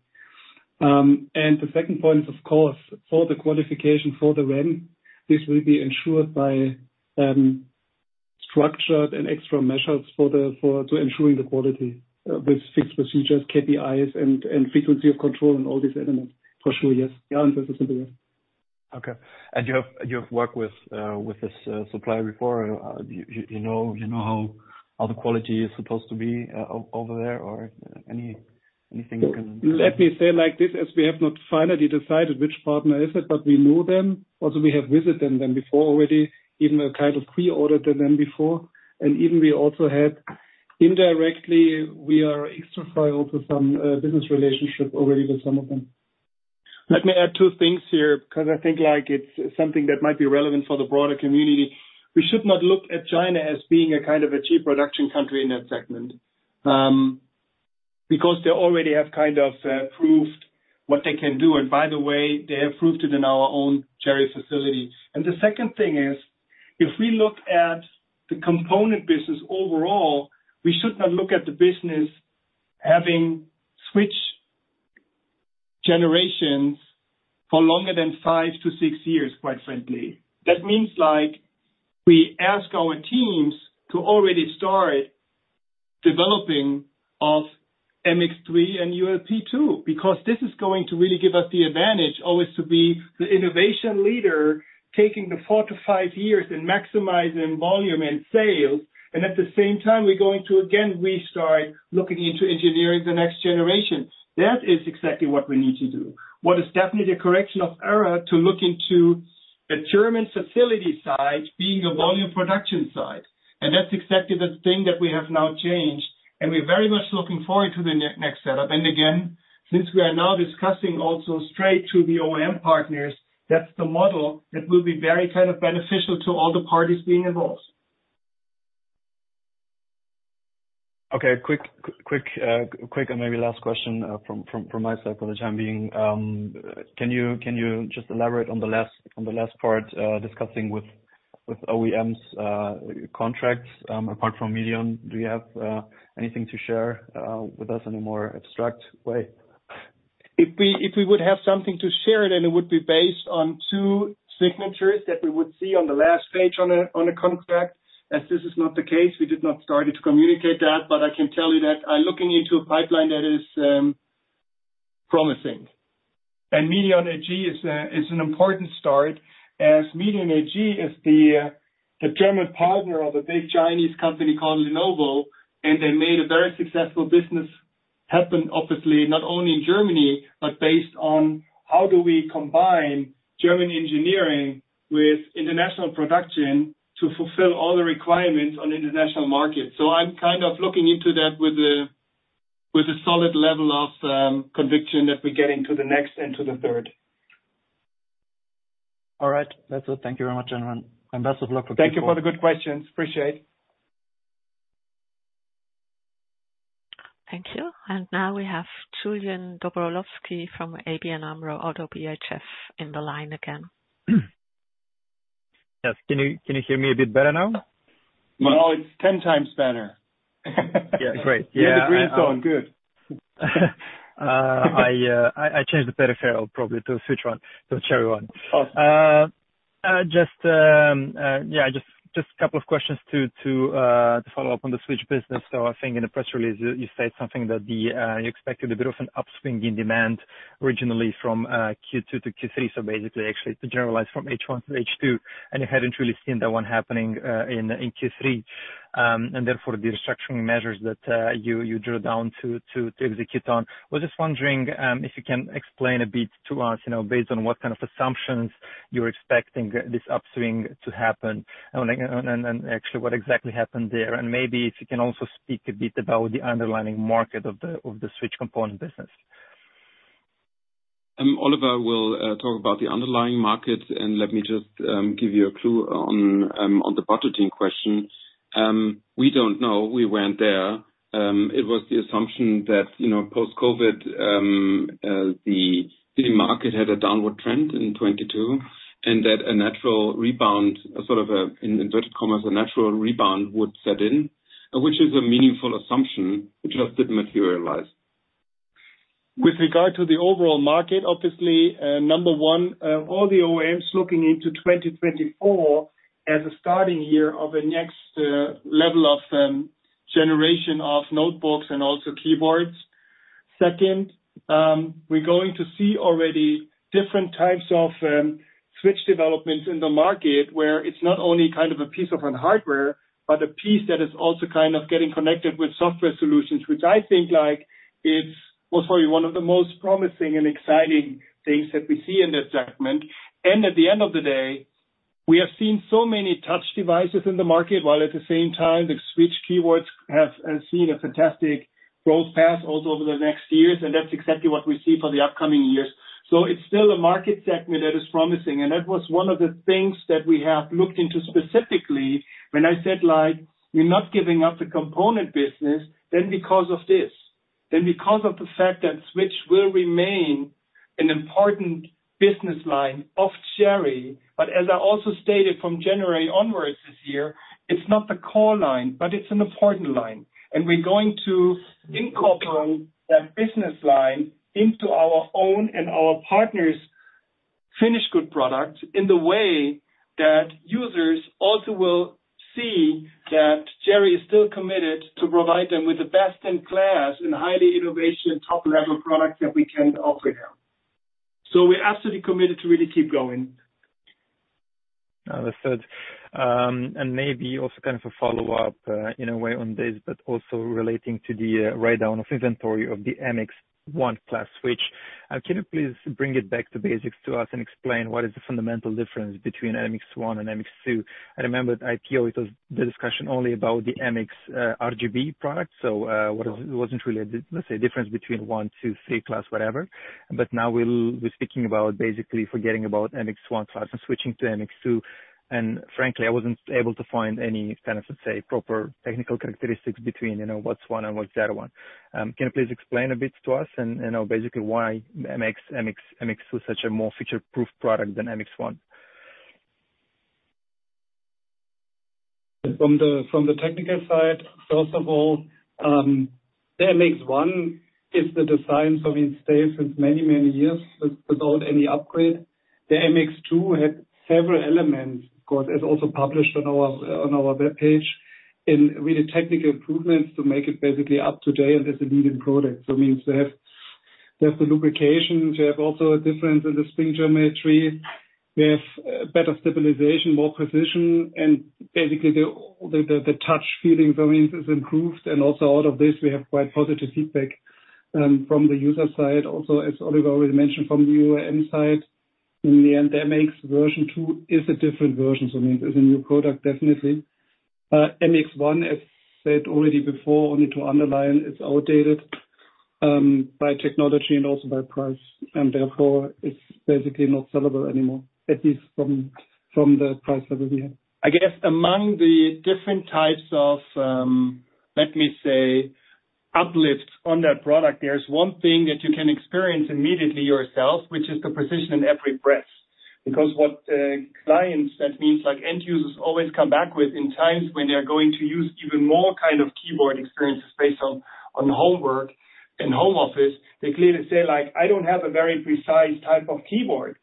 And the second point is, of course, for the qualification for the REM, this will be ensured by structured and extra measures for the, for to ensuring the quality, with fixed procedures, KPIs and frequency of control and all these elements. For sure, yes. The answer is simply yes. Okay. And you have worked with this supplier before? You know how the quality is supposed to be over there or anything you can- Let me say like this, as we have not finally decided which partner is it, but we know them. Also, we have visited them before already, even kind of pre-ordered them before, and even we also had indirectly, we are XTRFY to some, business relationship already with some of them. Let me add two things here, because I think, like, it's something that might be relevant for the broader community. We should not look at China as being a kind of a cheap production country in that segment, because they already have kind of proved what they can do. And by the way, they have proved it in our own Cherry facility. And the second thing is, if we look at the component business overall, we should not look at the business having switch generations for longer than five to six years, quite frankly. That means, like, we ask our teams to already start developing of MX3 and ULP 2, because this is going to really give us the advantage always to be the innovation leader, taking the four to five years and maximizing volume and sales. At the same time, we're going to again restart looking into engineering the next generation. That is exactly what we need to do. What is definitely a correction of error, to look into the German facility side being a volume production side, and that's exactly the thing that we have now changed, and we're very much looking forward to the next setup. And again, since we are now discussing also straight to the OEM partners, that's the model that will be very kind of beneficial to all the parties being involved. Okay, quick, quick, quick, and maybe last question from my side for the time being. Can you just elaborate on the last part discussing with OEMs contracts apart from MEDION? Do you have anything to share with us in a more abstract way? If we, if we would have something to share, then it would be based on two signatures that we would see on the last page on a, on a contract. As this is not the case, we did not started to communicate that, but I can tell you that I'm looking into a pipeline that is, promising. MEDION AG is a, is an important start, as MEDION AG is the, the German partner of a big Chinese company called Lenovo, and they made a very successful business happen, obviously, not only in Germany, but based on how do we combine German engineering with international production to fulfill all the requirements on international market. So I'm kind of looking into that with a, with a solid level of, conviction that we're getting to the next and to the third. All right. That's it. Thank you very much, everyone, and best of luck with you. Thank you for the good questions. Appreciate. Thank you. And now we have Julian Dobrovolschi from ABN AMRO - ODDO BHF on the line again. Yes. Can you hear me a bit better now? Now it's 10 times better. Yeah. Great. Yeah, the green song. Good. I changed the peripheral, probably, to a switch one, to a Cherry one. Awesome. Just a couple of questions to follow up on the switch business. So I think in the press release, you said something that the you expected a bit of an upswing in demand originally from Q2 to Q3. So basically, actually, to generalize from H1 to H2, and you hadn't really seen that one happening in Q3. And therefore, the restructuring measures that you drew down to execute on. I was just wondering if you can explain a bit to us, you know, based on what kind of assumptions you're expecting this upswing to happen, and actually what exactly happened there? And maybe if you can also speak a bit about the underlying market of the switch component business. Oliver will talk about the underlying market, and let me just give you a clue on the budgeting question. We don't know. We weren't there. It was the assumption that, you know, post-COVID, the market had a downward trend in 2022, and that a natural rebound, sort of a, in inverted commas, a natural rebound would set in, which is a meaningful assumption, which just didn't materialize. With regard to the overall market, obviously, number one, all the OEMs looking into 2024 as a starting year of a next level of generation of notebooks and also keyboards. Second, we're going to see already different types of switch developments in the market, where it's not only kind of a piece of hardware, but a piece that is also kind of getting connected with software solutions, which I think like it's probably one of the most promising and exciting things that we see in that segment. And at the end of the day, we have seen so many touch devices in the market, while at the same time, the switch keyboards have seen a fantastic growth path also over the next years, and that's exactly what we see for the upcoming years. So it's still a market segment that is promising, and that was one of the things that we have looked into specifically when I said, like, we're not giving up the component business, then because of this. Then because of the fact that switch will remain an important business line of Cherry. But as I also stated, from January onwards this year, it's not the core line, but it's an important line, and we're going to incorporate that business line into our own and our partners' finished good product, in the way that users also will see that Cherry is still committed to provide them with the best in class and highly innovation, top-level products that we can offer them. So we're absolutely committed to really keep going. Understood. Maybe also kind of a follow-up, in a way on this, but also relating to the write-down of inventory of the MX1 class switch. Can you please bring it back to basics to us and explain what is the fundamental difference between MX1 and MX2? I remember at IPO, it was the discussion only about the MX RGB product, so what it wasn't really, let's say, difference between one, two, three class, whatever. But now we'll, we're speaking about basically forgetting about MX1 class and switching to MX2. And frankly, I wasn't able to find any kind of, let's say, proper technical characteristics between, you know, what's one and what's the other one. Can you please explain a bit to us and basically why MX2 is such a more future-proof product than MX1? From the technical side, first of all, the MX1 is the design, so it stays with many, many years without any upgrade. The MX2 had several elements, of course, as also published on our webpage, and we did technical improvements to make it basically up to date and as a leading product. So it means to have the lubrication, to have also a difference in the spring geometry. We have better stabilization, more precision, and basically, the touch feeling variance is improved, and also out of this, we have quite positive feedback. From the user side, also, as Oliver already mentioned, from the OEM side, in the end, MX Version 2 is a different version. So I mean, it's a new product, definitely. MX1, as said already before, only to underline, it's outdated by technology and also by price, and therefore it's basically not sellable anymore, at least from the price that we have. I guess among the different types of, let me say, uplifts on that product, there's one thing that you can experience immediately yourself, which is the precision in every press. Because what clients, that means like, end users, always come back with in times when they're going to use even more kind of keyboard experiences based on homework and home office, they clearly say, like, "I don't have a very precise type of keyboard."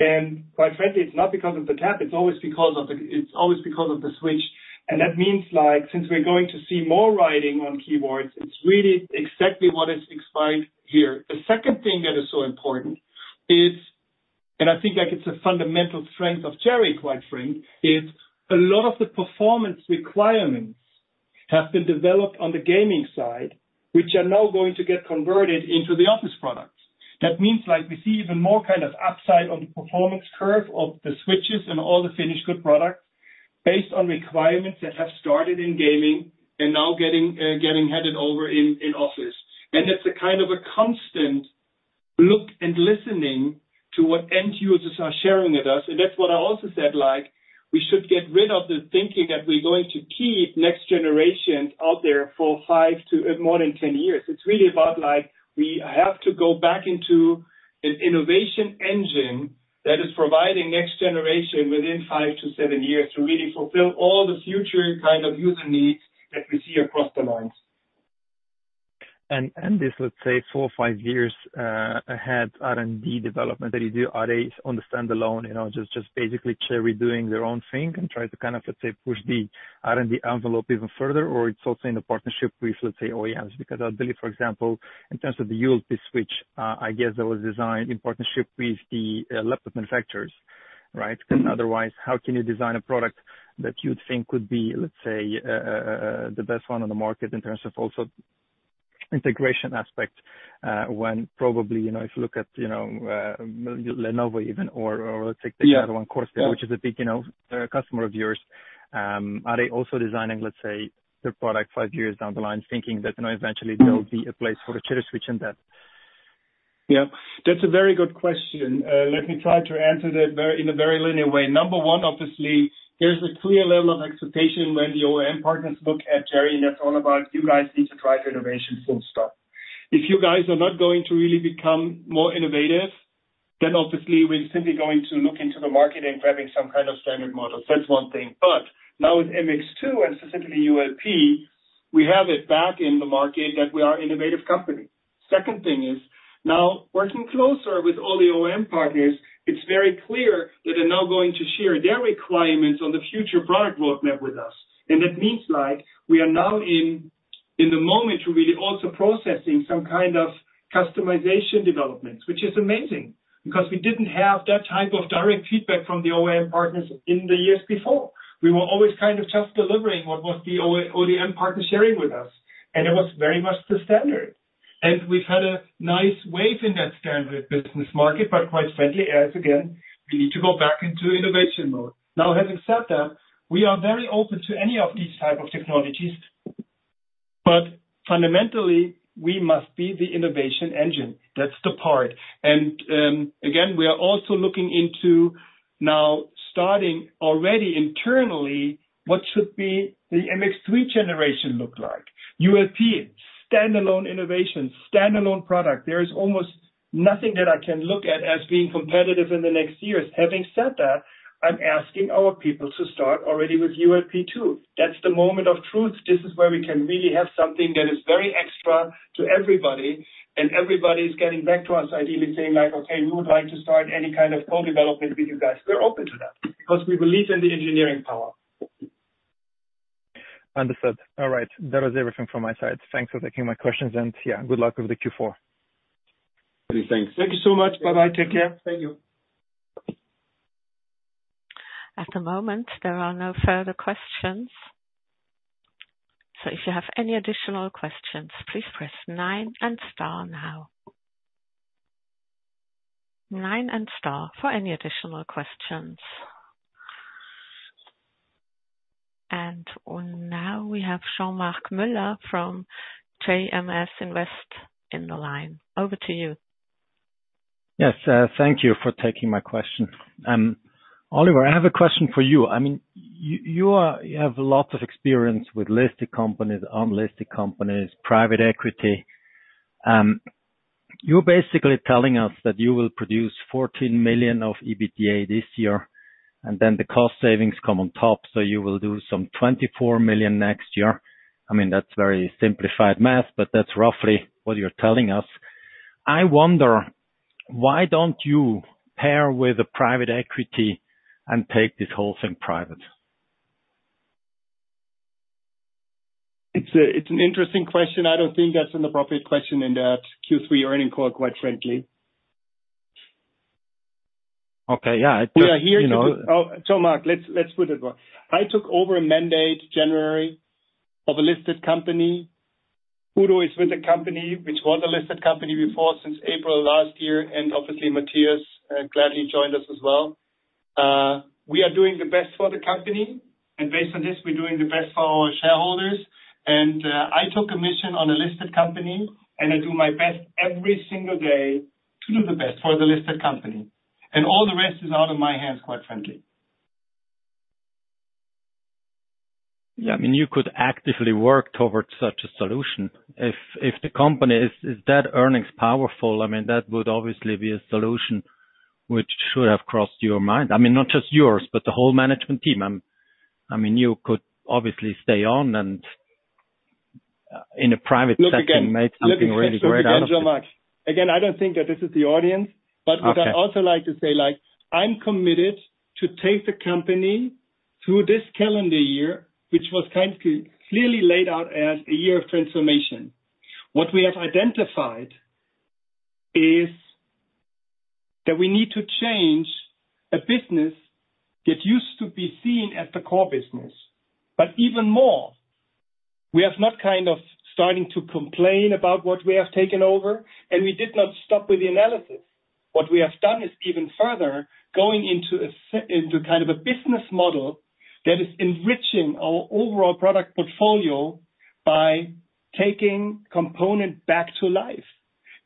And quite frankly, it's not because of the tap, it's always because of the switch. And that means like, since we're going to see more writing on keyboards, it's really exactly what is explained here. The second thing that is so important is, and I think, like, it's a fundamental strength of Cherry, quite frankly, is a lot of the performance requirements have been developed on the gaming side, which are now going to get converted into the office products. That means like, we see even more kind of upside on the performance curve of the switches and all the finished good products, based on requirements that have started in gaming and now getting handed over in office. That's a kind of a constant look and listening to what end users are sharing with us. That's what I also said, like, we should get rid of the thinking that we're going to keep next generations out there for five to more than 10 years. It's really about like, we have to go back into an innovation engine that is providing next generation within five to seven years, to really fulfill all the future kind of user needs that we see across the lines. And this, let's say, four or five years ahead R&D development that you do, are they on the standalone, you know, just basically Cherry doing their own thing and try to kind of, let's say, push the R&D envelope even further, or it's also in the partnership with, let's say, OEMs. Because I believe, for example, in terms of the ULP switch, I guess that was designed in partnership with the laptop manufacturers, right? Because otherwise, how can you design a product that you'd think would be, let's say, the best one on the market in terms of also integration aspect, when probably, you know, if you look at, you know, Lenovo even, or, or let's take the other one, Corsair- Yeah. -which is a big, you know, customer of yours, are they also designing, let's say, their product five years down the line, thinking that, you know, eventually there will be a place for the Cherry switch in that? Yeah, that's a very good question. Let me try to answer that very, in a very linear way. Number one, obviously, there's a clear level of expectation when the OEM partners look at Cherry, and that's all about you guys need to drive innovation, full stop. If you guys are not going to really become more innovative, then obviously we're simply going to look into the market and grabbing some kind of standard model. So that's one thing. But now with MX2 and specifically ULP, we have it back in the market that we are innovative company. Second thing is, now working closer with all the OEM partners, it's very clear that they're now going to share their requirements on the future product roadmap with us. That means like, we are now in the moment, really also processing some kind of customization developments, which is amazing, because we didn't have that type of direct feedback from the OEM partners in the years before. We were always kind of just delivering what was the OEM partner sharing with us, and it was very much the standard. We've had a nice wave in that standard business market, but quite frankly, as again, we need to go back into innovation mode. Now, having said that, we are very open to any of these type of technologies, but fundamentally, we must be the innovation engine. That's the part. Again, we are also looking into now starting already internally, what should be the MX3 generation look like? ULP, standalone innovation, standalone product. There is almost nothing that I can look at as being competitive in the next years. Having said that, I'm asking our people to start already with ULP2. That's the moment of truth. This is where we can really have something that is very extra to everybody, and everybody's getting back to us, ideally saying like, "Okay, we would like to start any kind of co-development with you guys." We're open to that, because we believe in the engineering power. Understood. All right. That is everything from my side. Thanks for taking my questions and, yeah, good luck with the Q4. Many thanks. Thank you so much. Bye-bye. Take care. Thank you. At the moment, there are no further questions. So if you have any additional questions, please press nine and star now. Nine and star for any additional questions. And now we have Jean-Marc Mueller from JMS Invest in the line. Over to you. Yes, thank you for taking my question. Oliver, I have a question for you. I mean, you are-- you have a lot of experience with listed companies, unlisted companies, private equity. You're basically telling us that you will produce 14 million of EBITDA this year, and then the cost savings come on top, so you will do some 24 million next year. I mean, that's very simplified math, but that's roughly what you're telling us. I wonder, why don't you pair with a private equity and take this whole thing private? It's an interesting question. I don't think that's an appropriate question in the Q3 earnings call, quite frankly. Okay, yeah, it's, you know- So Marc, let's put it well. I took over a mandate January of a listed company. Udo is with the company, which was a listed company before, since April last year, and obviously, Mathias gladly joined us as well. We are doing the best for the company, and based on this, we're doing the best for our shareholders. I took a mission on a listed company, and I do my best every single day to do the best for the listed company. All the rest is out of my hands, quite frankly. Yeah, I mean, you could actively work towards such a solution. If the company is that earnings powerful, I mean, that would obviously be a solution which should have crossed your mind. I mean, not just yours, but the whole management team. I mean, you could obviously stay on, and in a private sector- Look again. Make something really great out of it. Look again, so much. Again, I don't think that this is the audience. Okay. But what I'd also like to say, like, I'm committed to take the company through this calendar year, which was kind of clearly laid out as a year of transformation. What we have identified is that we need to change a business that used to be seen as the core business. But even more, we have not kind of starting to complain about what we have taken over, and we did not stop with the analysis. What we have done is even further going into into kind of a business model that is enriching our overall product portfolio by taking component back to life.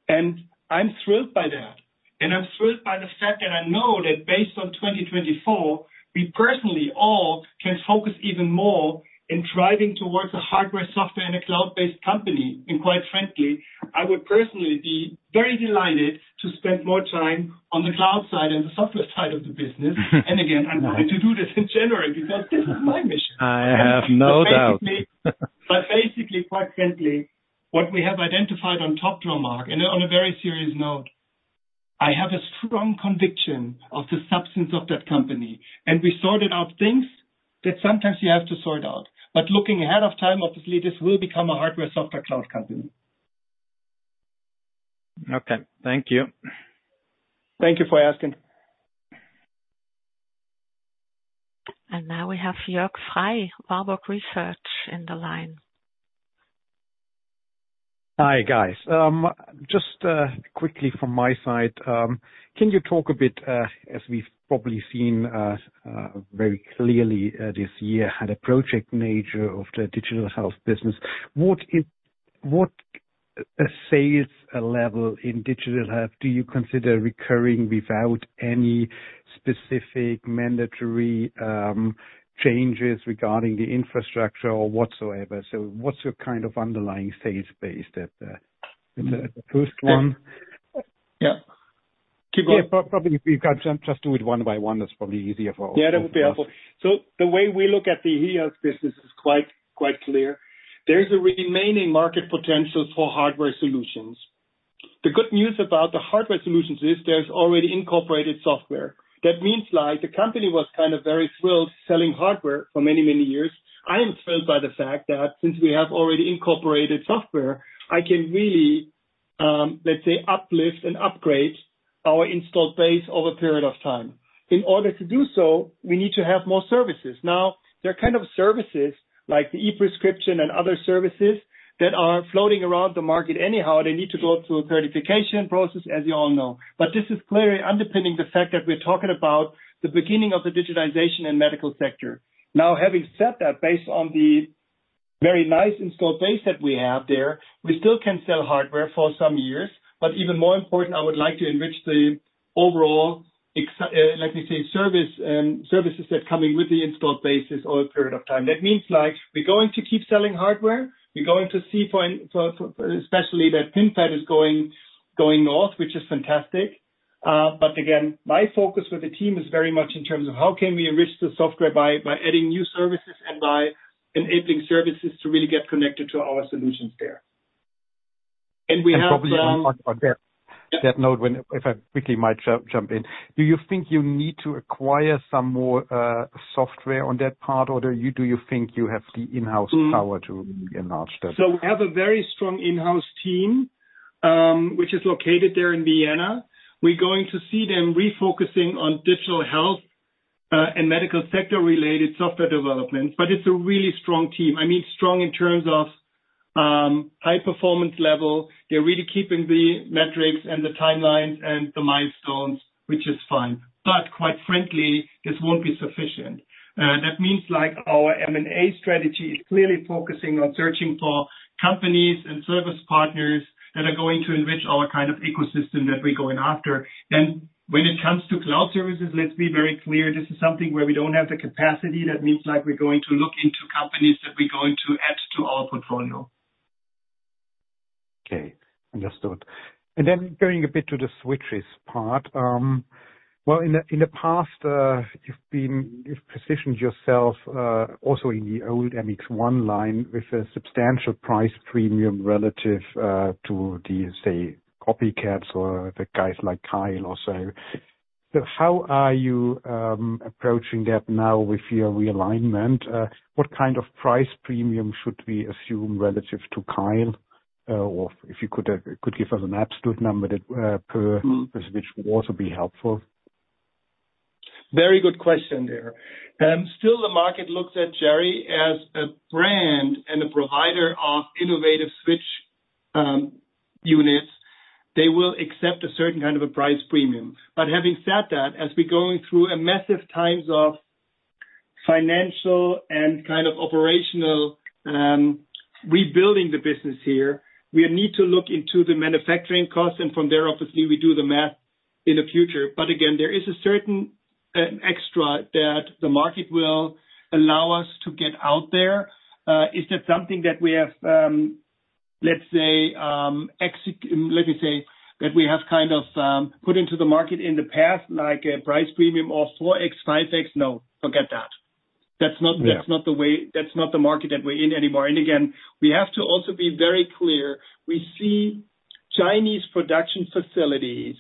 And I'm thrilled by that. And I'm thrilled by the fact that I know that based on 2024, we personally all can focus even more in driving towards a hardware, software, and a cloud-based company. Quite frankly, I would personally be very delighted to spend more time on the cloud side and the software side of the business. Again, I'm going to do this in January, because this is my mission. I have no doubt. But basically, but basically, quite frankly, what we have identified on top Jean-Marc, and on a very serious note, I have a strong conviction of the substance of that company, and we sorted out things that sometimes you have to sort out. But looking ahead of time, obviously, this will become a hardware, software, cloud company. Okay, thank you. Thank you for asking. Now we have Jörg Frey, Warburg Research, in the line. Hi, guys. Just quickly from my side, can you talk a bit, as we've probably seen very clearly this year, had a project nature of the digital health business, what is-- what sales level in digital health do you consider recurring without any specific mandatory changes regarding the infrastructure or whatsoever? So what's your kind of underlying sales base that in the first one? Yeah. Keep going. Yeah, probably if you can just do it one by one, that's probably easier for all. Yeah, that would be helpful. So the way we look at the eHealth business is quite, quite clear. There is a remaining market potential for hardware solutions. The good news about the hardware solutions is there's already incorporated software. That means, like, the company was kind of very thrilled selling hardware for many, many years. I am thrilled by the fact that since we have already incorporated software, I can really, let's say, uplift and upgrade our installed base over a period of time. In order to do so, we need to have more services. Now, there are kind of services like the e-prescription and other services that are floating around the market anyhow. They need to go through a certification process, as you all know. But this is clearly underpinning the fact that we're talking about the beginning of the digitization in medical sector. Now, having said that, based on the very nice installed base that we have there, we still can sell hardware for some years, but even more important, I would like to enrich the overall services that's coming with the installed bases over a period of time. That means, like, we're going to keep selling hardware, we're going to see for especially that PIN pad is going north, which is fantastic. But again, my focus with the team is very much in terms of how can we enrich the software by adding new services and by enabling services to really get connected to our solutions there. And we have- Probably on that note, if I quickly might jump in. Do you think you need to acquire some more software on that part, or do you think you have the in-house- Mm. Power to enlarge that? So we have a very strong in-house team, which is located there in Vienna. We're going to see them refocusing on digital health, and medical sector-related software development, but it's a really strong team. I mean, strong in terms of high performance level. They're really keeping the metrics and the timelines and the milestones, which is fine. But quite frankly, this won't be sufficient. That means, like, our M&A strategy is clearly focusing on searching for companies and service partners that are going to enrich our kind of ecosystem that we're going after. Then, when it comes to cloud services, let's be very clear, this is something where we don't have the capacity. That means, like, we're going to look into companies that we're going to add to our portfolio. Okay, understood. Then going a bit to the switches part. Well, in the past, you've positioned yourself also in the old MX line with a substantial price premium relative to the, say, copycats or the guys like Kailh or so. So how are you approaching that now with your realignment? What kind of price premium should we assume relative to Kailh? or if you could give us an absolute number that per- switch would also be helpful. Mm-hmm. Very good question there. Still the market looks at Cherry as a brand and a provider of innovative switch units. They will accept a certain kind of a price premium. But having said that, as we're going through a massive times of financial and kind of operational rebuilding the business here, we need to look into the manufacturing costs, and from there, obviously, we do the math in the future. But again, there is a certain extra that the market will allow us to get out there. Is that something that we have, let's say, exec- Let me say, that we have kind of put into the market in the past, like a price premium of 4x, 5x? No, forget that. That's not- Yeah. That's not the way, that's not the market that we're in anymore. And again, we have to also be very clear, we see Chinese production facilities,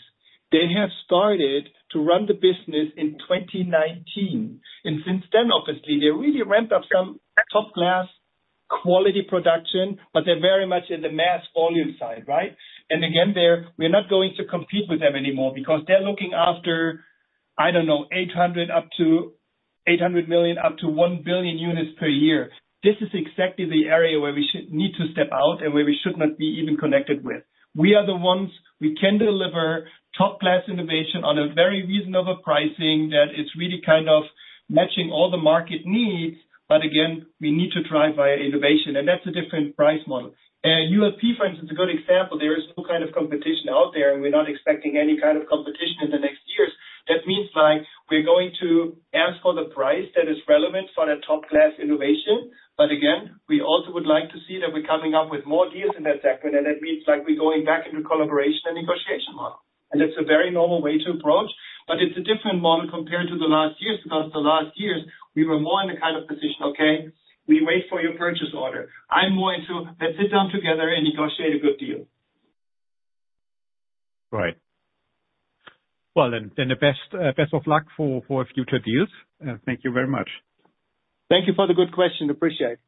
they have started to run the business in 2019, and since then, obviously, they really ramped up some top-class quality production, but they're very much in the mass volume side, right? And again, they're, we're not going to compete with them anymore because they're looking after, I don't know, 800 million-1 billion units per year. This is exactly the area where we should need to step out and where we should not be even connected with. We are the ones, we can deliver top-class innovation on a very reasonable pricing that is really kind of matching all the market needs. But again, we need to drive by innovation, and that's a different price model. ULP, for instance, is a good example. There is no kind of competition out there, and we're not expecting any kind of competition in the next years. That means, like, we're going to ask for the price that is relevant for that top-class innovation. But again, we also would like to see that we're coming up with more deals in that segment, and that means, like, we're going back into collaboration and negotiation model. That's a very normal way to approach, but it's a different model compared to the last years, because the last years we were more in a kind of position, "Okay, we wait for your purchase order." I'm more into, "Let's sit down together and negotiate a good deal. Right. Well, then the best of luck for future deals. Thank you very much. Thank you for the good question. Appreciate.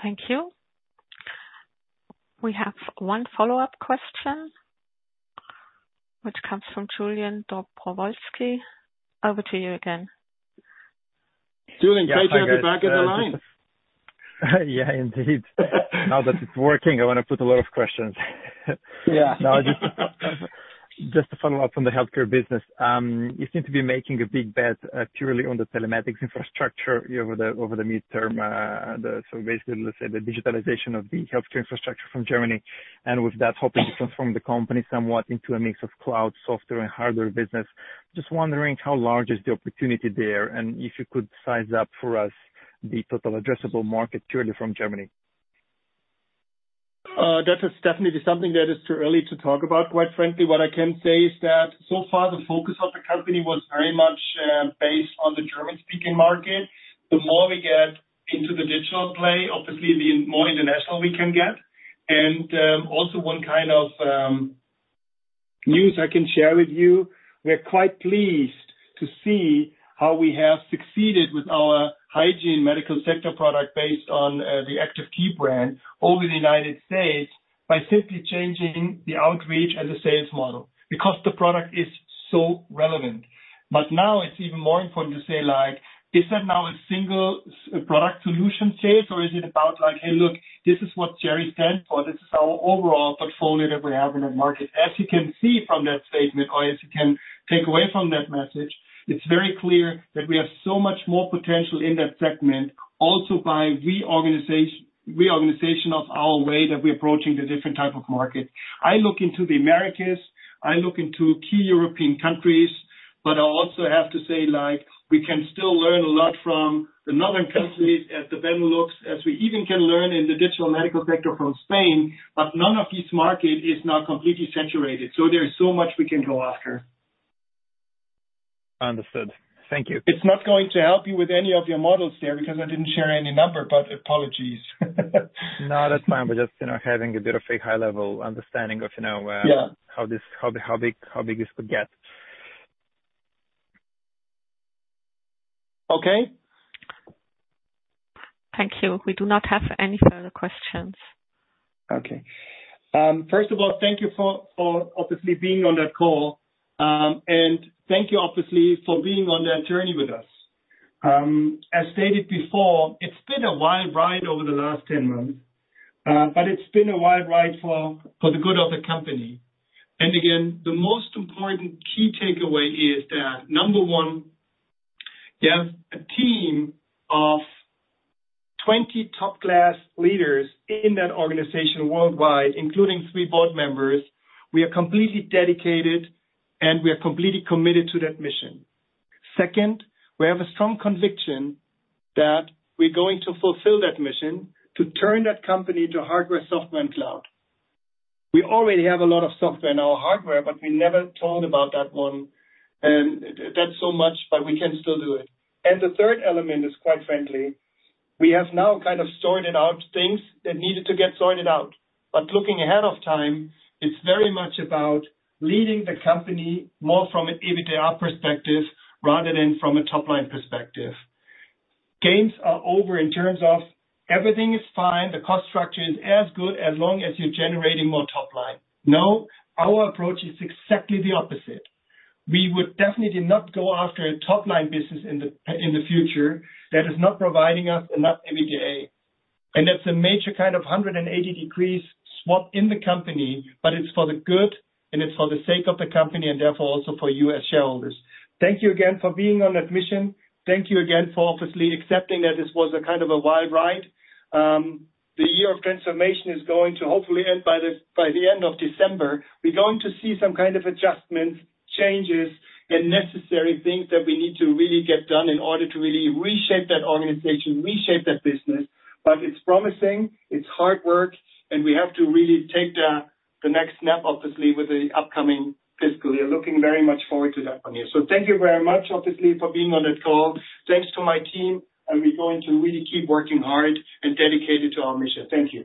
Thank you. We have one follow-up question, which comes from Julian Dobrovolschi. Over to you again. Julian, great to have you back in the line. Yeah, indeed. Now that it's working, I want to put a lot of questions. Yeah. No, just to follow up on the healthcare business. You seem to be making a big bet purely on the telematics infrastructure over the midterm. So basically, let's say, the digitalization of the healthcare infrastructure from Germany, and with that, hoping to transform the company somewhat into a mix of cloud, software, and hardware business. Just wondering how large is the opportunity there, and if you could size up for us the total addressable market purely from Germany. That is definitely something that is too early to talk about, quite frankly. What I can say is that so far the focus of the company was very much based on the German-speaking market. The more we get into the digital play, obviously, the more international we can get. And also one kind of news I can share with you, we're quite pleased to see how we have succeeded with our hygiene medical sector product based on the Active Key brand over the United States by simply changing the outreach and the sales model, because the product is so relevant. But now it's even more important to say, like, is that now a single product solution sale, or is it about like, "Hey, look, this is what Cherry stands for. This is our overall portfolio that we have in the market." As you can see from that statement or as you can take away from that message, it's very clear that we have so much more potential in that segment, also by reorganization, reorganization of our way that we're approaching the different type of market. I look into the Americas, I look into key European countries, but I also have to say, like, we can still learn a lot from the northern countries, at the Benelux, as we even can learn in the digital medical sector from Spain, but none of these market is now completely saturated, so there is so much we can go after. Understood. Thank you. It's not going to help you with any of your models there, because I didn't share any number, but apologies. No, that's fine. We're just, you know, having a bit of a high-level understanding of, you know, Yeah How this, how big, how big this could get. Okay. Thank you. We do not have any further questions. Okay. First of all, thank you for obviously being on that call, and thank you obviously for being on that journey with us. As stated before, it's been a wild ride over the last 10 months, but it's been a wild ride for the good of the company. Again, the most important key takeaway is that, number one, we have a team of 20 top-class leaders in that organization worldwide, including three board members. We are completely dedicated, and we are completely committed to that mission. Second, we have a strong conviction that we're going to fulfill that mission to turn that company to hardware, software, and cloud. We already have a lot of software in our hardware, but we never talked about that one, and that's so much, but we can still do it. The third element is, quite frankly, we have now kind of sorted out things that needed to get sorted out. Looking ahead, it's very much about leading the company more from an EBITDA perspective rather than from a top-line perspective. Games are over in terms of everything is fine, the cost structure is as good as long as you're generating more top line. No, our approach is exactly the opposite. We would definitely not go after a top-line business in the future that is not providing us enough EBITDA, and that's a major kind of 180-degree swap in the company, but it's for the good, and it's for the sake of the company, and therefore, also for you as shareholders. Thank you again for being on that mission. Thank you again for obviously accepting that this was a kind of a wild ride. The year of transformation is going to hopefully end by the end of December. We're going to see some kind of adjustments, changes, and necessary things that we need to really get done in order to really reshape that organization, reshape that business. But it's promising, it's hard work, and we have to really take the next step, obviously, with the upcoming fiscal year. Looking very much forward to that one here. So thank you very much, obviously, for being on that call. Thanks to my team, and we're going to really keep working hard and dedicated to our mission. Thank you.